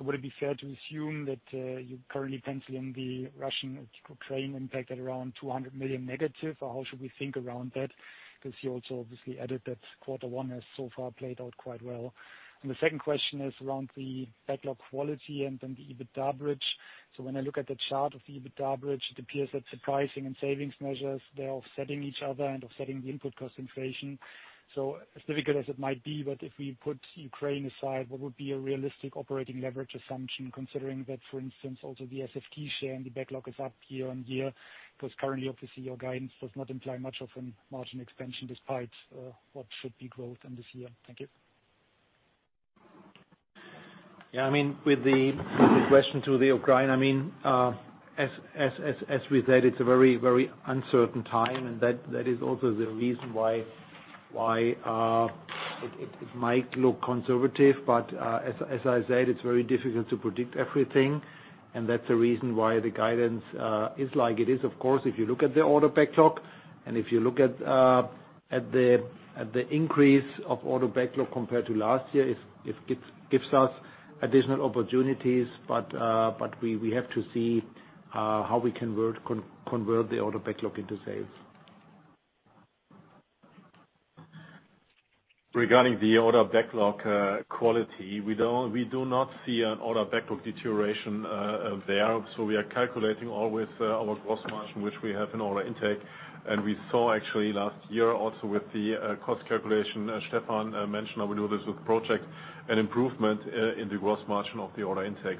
Would it be fair to assume that you're currently penciling the Russia-Ukraine impact at around -200 million, or how should we think around that? 'Cause you also obviously added that quarter one has so far played out quite well. The second question is around the backlog quality and then the EBITDA bridge. When I look at the chart of the EBITDA bridge, it appears that pricing and savings measures, they are offsetting each other and offsetting the input cost inflation. As difficult as it might be, but if we put Ukraine aside, what would be a realistic operating leverage assumption, considering that, for instance, also the service share in the backlog is up year on year? 'Cause currently, obviously, your guidance does not imply much of a margin expansion despite what should be growth in this year. Thank you. Yeah. I mean, with the question to the Ukraine, I mean, as we said, it's a very uncertain time, and that is also the reason why it might look conservative. As I said, it's very difficult to predict everything, and that's the reason why the guidance is like it is. Of course, if you look at the order backlog and if you look at the increase of order backlog compared to last year, it gives us additional opportunities. We have to see how we can convert the order backlog into sales. Regarding the order backlog quality, we do not see an order backlog deterioration there. We are calculating all with our gross margin, which we have in order intake. We saw actually last year also with the cost calculation, Stefan mentioned our new business project, an improvement in the gross margin of the order intake.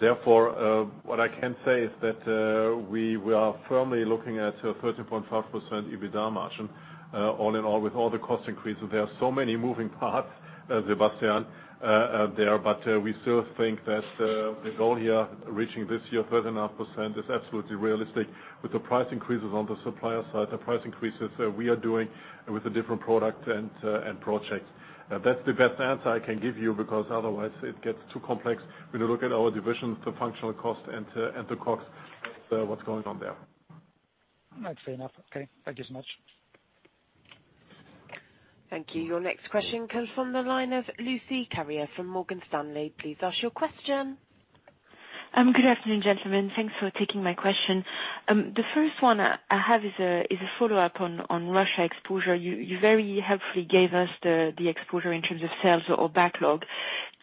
Therefore, what I can say is that we are firmly looking at a 13.5% EBITDA margin all in all, with all the cost increases. There are so many moving parts, Sebastian there, but we still think that the goal here, reaching this year, 13.5% is absolutely realistic. With the price increases on the supplier side, the price increases we are doing with the different products and projects. That's the best answer I can give you, because otherwise it gets too complex when you look at our divisions, the functional cost and the costs, what's going on there. That's fair enough. Okay. Thank you so much. Thank you. Your next question comes from the line of Lucie Carrier from Morgan Stanley. Please ask your question. Good afternoon, gentlemen. Thanks for taking my question. The first one I have is a follow-up on Russia exposure. You very helpfully gave us the exposure in terms of sales or backlog.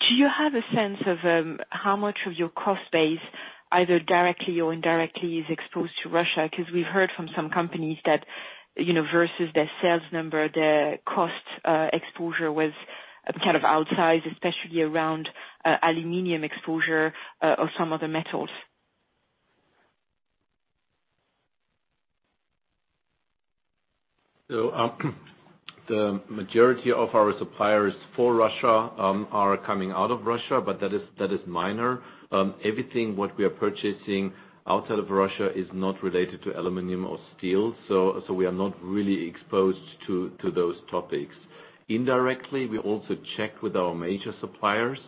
Do you have a sense of how much of your cost base, either directly or indirectly, is exposed to Russia? 'Cause we've heard from some companies that, you know, versus their sales number, their cost exposure was kind of outsized, especially around aluminum exposure or some other metals. The majority of our suppliers for Russia are coming out of Russia, but that is minor. Everything what we are purchasing outside of Russia is not related to aluminum or steel, so we are not really exposed to those topics. Indirectly, we also check with our major suppliers.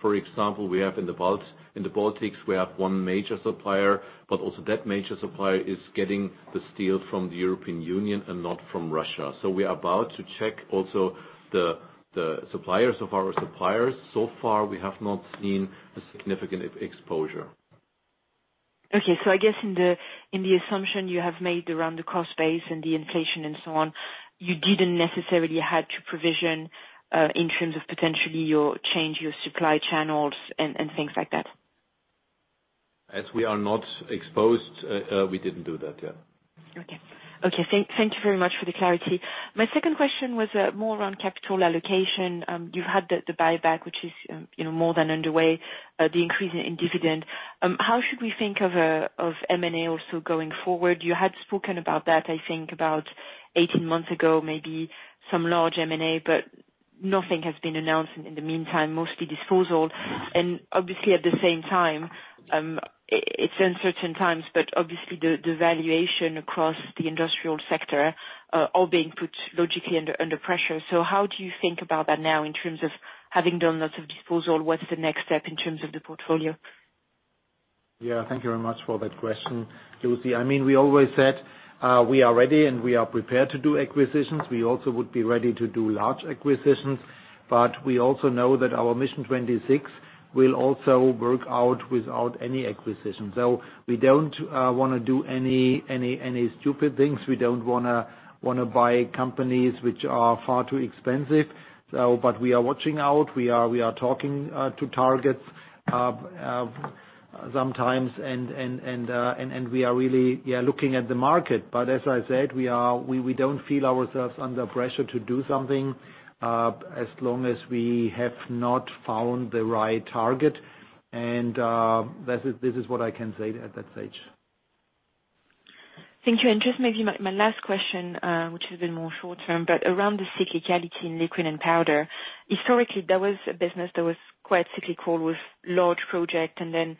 For example, we have in the Baltics we have one major supplier, but also that major supplier is getting the steel from the European Union and not from Russia. We are about to check also the suppliers of our suppliers. Far we have not seen a significant exposure. Okay. I guess in the assumption you have made around the cost base and the inflation and so on, you didn't necessarily had to provision in terms of potentially you change your supply channels and things like that. As we are not exposed, we didn't do that, yeah. Okay, thank you very much for the clarity. My second question was more around capital allocation. You've had the buyback, which is, you know, more than underway, the increase in dividend. How should we think of M&A also going forward? You had spoken about that, I think about 18 months ago, maybe some large M&A, but nothing has been announced in the meantime, mostly disposal. Obviously, at the same time it's uncertain times, but obviously the valuation across the industrial sector is being put logically under pressure. How do you think about that now in terms of having done lots of disposals? What's the next step in terms of the portfolio? Yeah. Thank you very much for that question, Lucie. I mean, we always said we are ready and we are prepared to do acquisitions. We also would be ready to do large acquisitions, but we also know that our Mission 26 will also work out without any acquisitions. We don't wanna do any stupid things. We don't wanna buy companies which are far too expensive, but we are watching out. We are talking to targets sometimes and we are really looking at the market. But as I said, we don't feel ourselves under pressure to do something as long as we have not found the right target. That is what I can say at that stage. Thank you. Just maybe my last question, which is a bit more short term, but around the cyclicality in liquid and powder. Historically, there was a business that was quite cyclical with large project, and then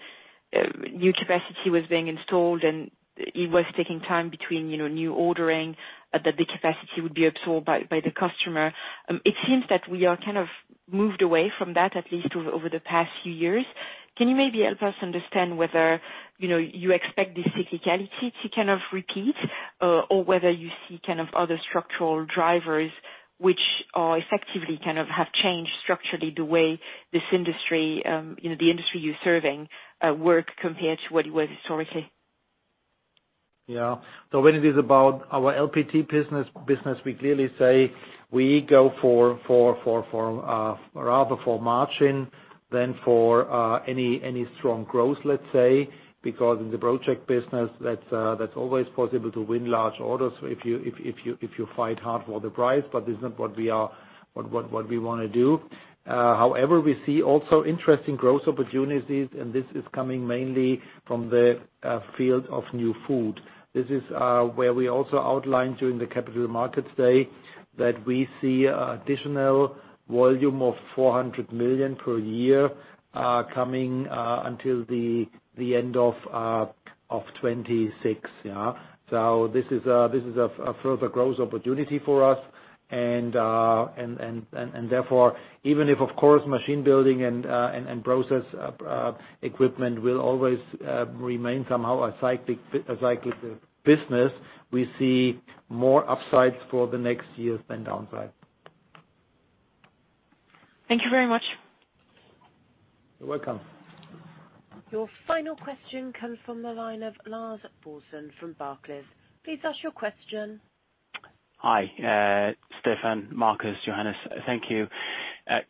new capacity was being installed, and it was taking time between, you know, new ordering, that the capacity would be absorbed by the customer. It seems that we are kind of moved away from that, at least over the past few years. Can you maybe help us understand whether, you know, you expect this cyclicality to kind of repeat, or whether you see kind of other structural drivers which are effectively kind of have changed structurally the way this industry, you know, the industry you're serving work compared to what it was historically? Yeah. When it is about our LPT business, we clearly say we go for rather for margin than for any strong growth, let's say. Because in the project business, that's always possible to win large orders if you fight hard for the price. This is not what we wanna do. However, we see also interesting growth opportunities, and this is coming mainly from the field of New Food. This is where we also outlined during the Capital Markets Day that we see additional volume of 400 million per year coming until the end of 2026, yeah. This is a further growth opportunity for us. Therefore, even if, of course, machine building and process equipment will always remain somehow a cyclical business, we see more upsides for the next years than downside. Thank you very much. You're welcome. Your final question comes from the line of Lars Brorson from Barclays. Please ask your question. Hi, Stefan, Marcus, Johannes. Thank you.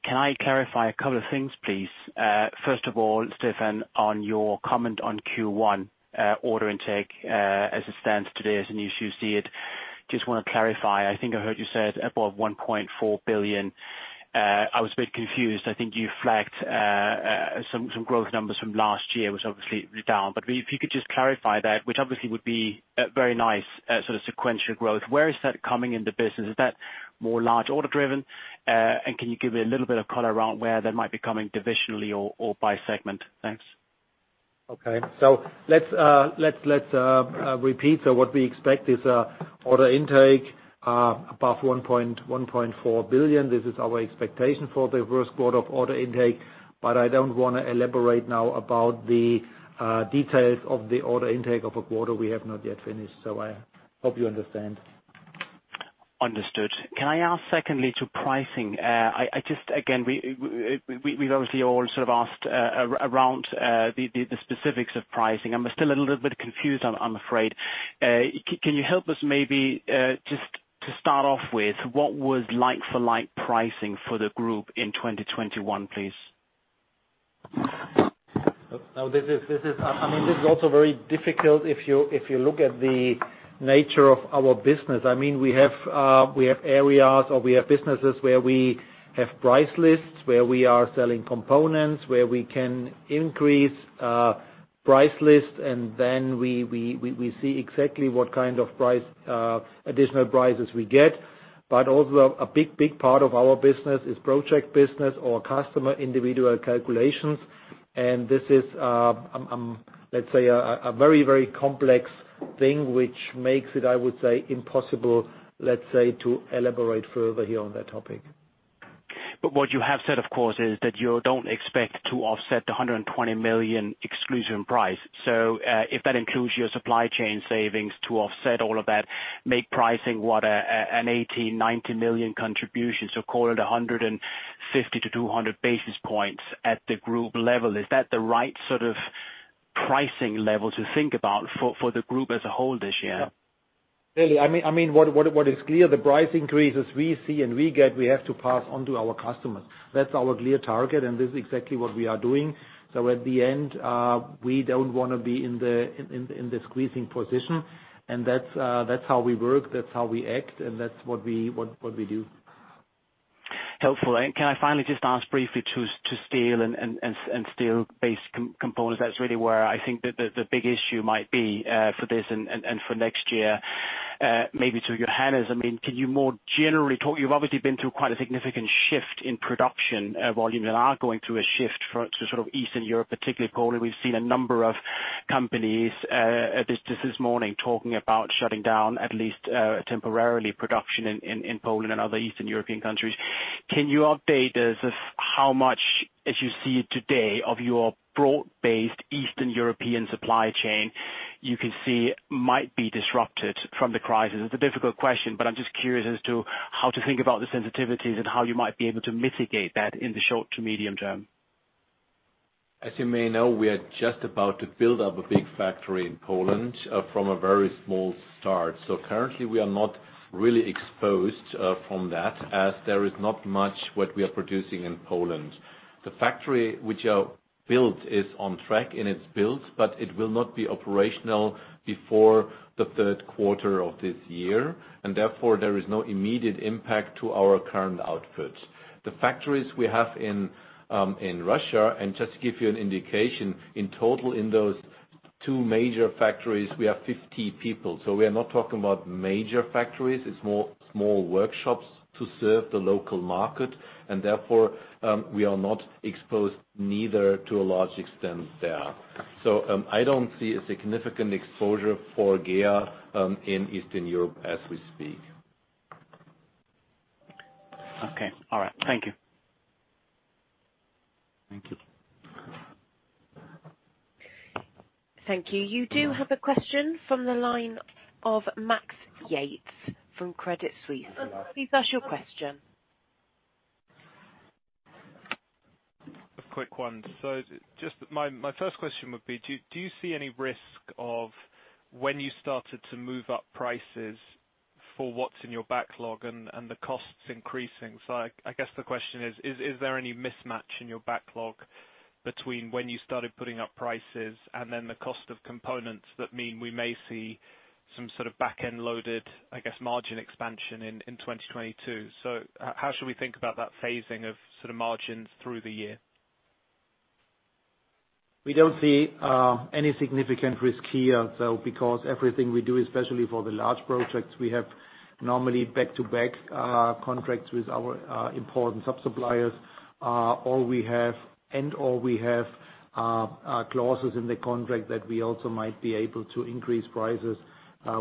Can I clarify a couple of things, please? First of all, Stefan, on your comment on Q1 order intake, as it stands today, as in you see it, just wanna clarify. I think I heard you said above 1.4 billion. I was a bit confused. I think you flagged some growth numbers from last year, was obviously down. If you could just clarify that, which obviously would be a very nice sort of sequential growth. Where is that coming in the business? Is that more large order driven? And can you give a little bit of color around where that might be coming divisionally or by segment? Thanks. Okay. Let's repeat. What we expect is order intake above 1.4 billion. This is our expectation for the first quarter of order intake. I don't wanna elaborate now about the details of the order intake of a quarter we have not yet finished. I hope you understand. Understood. Can I ask secondly to pricing? I just, again, we've obviously all sort of asked around the specifics of pricing. I'm still a little bit confused, I'm afraid. Can you help us maybe just to start off with, what was like for like pricing for the group in 2021, please? Now this is, I mean, this is also very difficult if you look at the nature of our business. I mean, we have areas or businesses where we have price lists, where we are selling components, where we can increase price list, and then we see exactly what kind of price additional prices we get. But also a big part of our business is project business or customer individual calculations. This is let's say a very complex thing which makes it, I would say, impossible, let's say, to elaborate further here on that topic. What you have said, of course, is that you don't expect to offset the 120 million exclusion price. If that includes your supply chain savings to offset all of that, making pricing an 189 million contribution, call it 150-200 basis points at the group level, is that the right sort of pricing level to think about for the group as a whole this year? Really, I mean, what is clear, the price increases we see and we get, we have to pass on to our customers. That's our clear target, and this is exactly what we are doing. At the end, we don't wanna be in the squeezing position, and that's how we work, that's how we act, and that's what we do. Helpful. Can I finally just ask briefly to steel and steel-based components? That's really where I think the big issue might be for this and for next year. Maybe to Johannes. I mean, can you more generally talk? You've obviously been through quite a significant shift in production volume, and are going through a shift to sort of Eastern Europe, particularly Poland. We've seen a number of companies just this morning talking about shutting down, at least temporarily, production in Poland and other Eastern European countries. Can you update us of how much, as you see it today, of your broad-based Eastern European supply chain you can see might be disrupted from the crisis? It's a difficult question, but I'm just curious as to how to think about the sensitivities and how you might be able to mitigate that in the short to medium term. As you may know, we are just about to build up a big factory in Poland, from a very small start. Currently, we are not really exposed, from that as there is not much what we are producing in Poland. The factory which are built is on track in its build, but it will not be operational before the third quarter of this year. Therefore, there is no immediate impact to our current outputs. The factories we have in Russia. Just to give you an indication, in total in those two major factories, we have 50 people. We are not talking about major factories. It's more small workshops to serve the local market and therefore, we are not exposed neither to a large extent there. I don't see a significant exposure for GEA in Eastern Europe as we speak. Okay. All right. Thank you. Thank you. Thank you. You do have a question from the line of Max Yates from Credit Suisse. Please ask your question. A quick one. Just my first question would be, do you see any risk of when you started to move up prices for what's in your backlog and the costs increasing? I guess the question is there any mismatch in your backlog between when you started putting up prices and then the cost of components that mean we may see some sort of back-end loaded, I guess, margin expansion in 2022? How should we think about that phasing of sort of margins through the year? We don't see any significant risk here, though, because everything we do, especially for the large projects, we have normally back-to-back contracts with our important sub-suppliers. Or, and/or, we have clauses in the contract that we also might be able to increase prices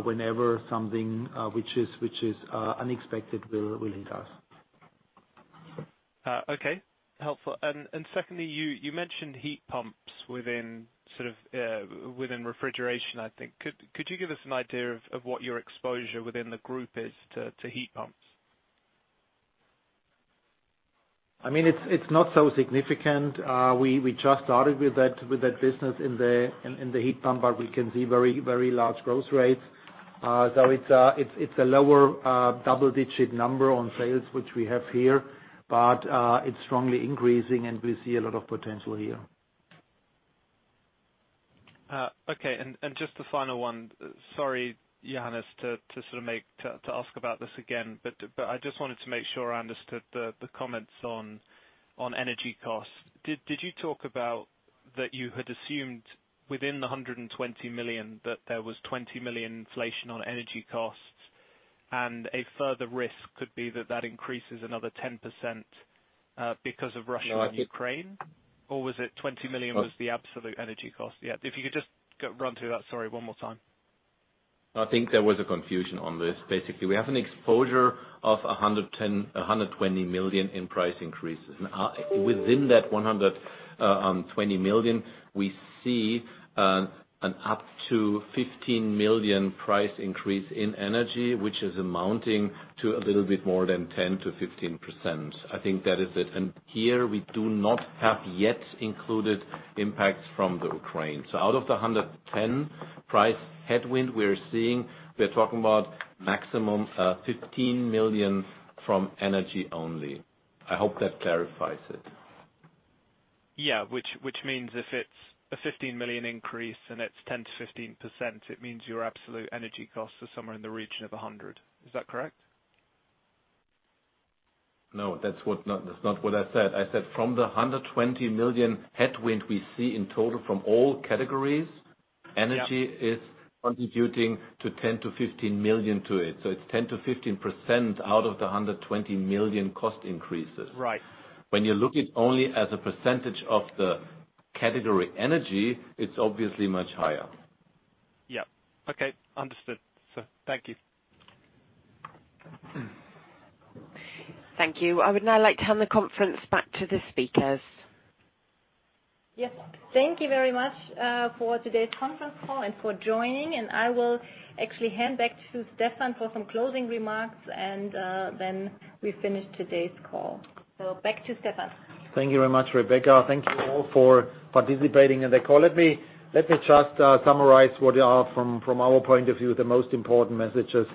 whenever something which is unexpected will impact us. Okay. Helpful. Secondly, you mentioned heat pumps within sort of refrigeration, I think. Could you give us an idea of what your exposure within the group is to heat pumps? I mean, it's not so significant. We just started with that business in the heat pump, but we can see very large growth rates. It's a lower double-digit number on sales, which we have here. It's strongly increasing, and we see a lot of potential here. Okay. Just a final one. Sorry, Johannes, to ask about this again, but I just wanted to make sure I understood the comments on energy costs. Did you talk about that you had assumed within the 120 million that there was 20 million inflation on energy costs and a further risk could be that that increases another 10%, because of Russia- No, I think. Ukraine? Or was it 20 million was the absolute energy cost? Yeah, if you could just run through that, sorry, one more time. I think there was a confusion on this. Basically, we have an exposure of 120 million in price increases. Within that 120 million, we see an up to 15 million price increase in energy, which is amounting to a little bit more than 10%-15%. I think that is it. Here we do not have yet included impacts from the Ukraine. Out of the 110 million price headwind we're seeing, we're talking about maximum 15 million from energy only. I hope that clarifies it. Yeah. Which means if it's a 15 million increase and it's 10%-15%, it means your absolute energy costs are somewhere in the region of 100 million. Is that correct? No, that's not what I said. I said from the 120 million headwind we see in total from all categories. Energy is contributing to 10 million-15 million to it. It's 10%-15% out of the 120 million cost increases. Right. When you look at it only as a percentage of the category energy, it's obviously much higher. Yeah. Okay. Understood, sir. Thank you. Thank you. I would now like to hand the conference back to the speakers. Yes. Thank you very much for today's conference call and for joining, and I will actually hand back to Stefan for some closing remarks, and then we finish today's call. Back to Stefan. Thank you very much, Rebecca. Thank you all for participating in the call. Let me just summarize what, from our point of view, are the most important messages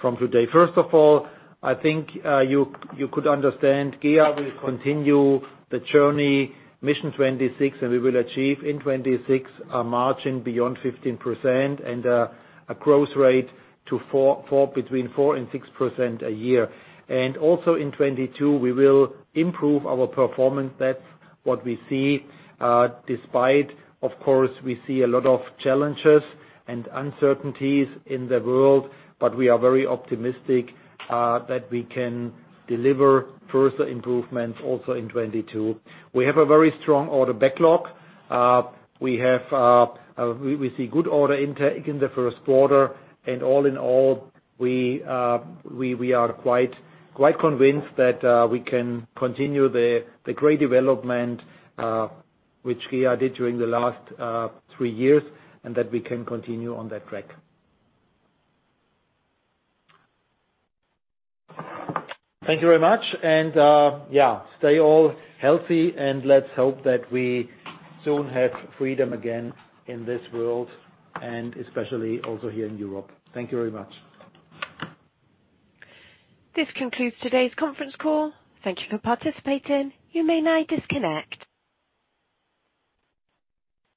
from today. First of all, I think you could understand GEA will continue the journey Mission 26, and we will achieve in 2026 a margin beyond 15% and a growth rate between 4% and 6% a year. We will also improve our performance in 2022. That's what we see, despite, of course, we see a lot of challenges and uncertainties in the world, but we are very optimistic that we can deliver further improvements also in 2022. We have a very strong order backlog. We see good order intake in the first quarter. All in all, we are quite convinced that we can continue the great development which GEA did during the last three years, and that we can continue on that track. Thank you very much. Stay all healthy, and let's hope that we soon have freedom again in this world and especially also here in Europe. Thank you very much. This concludes today's conference call. Thank you for participating. You may now disconnect.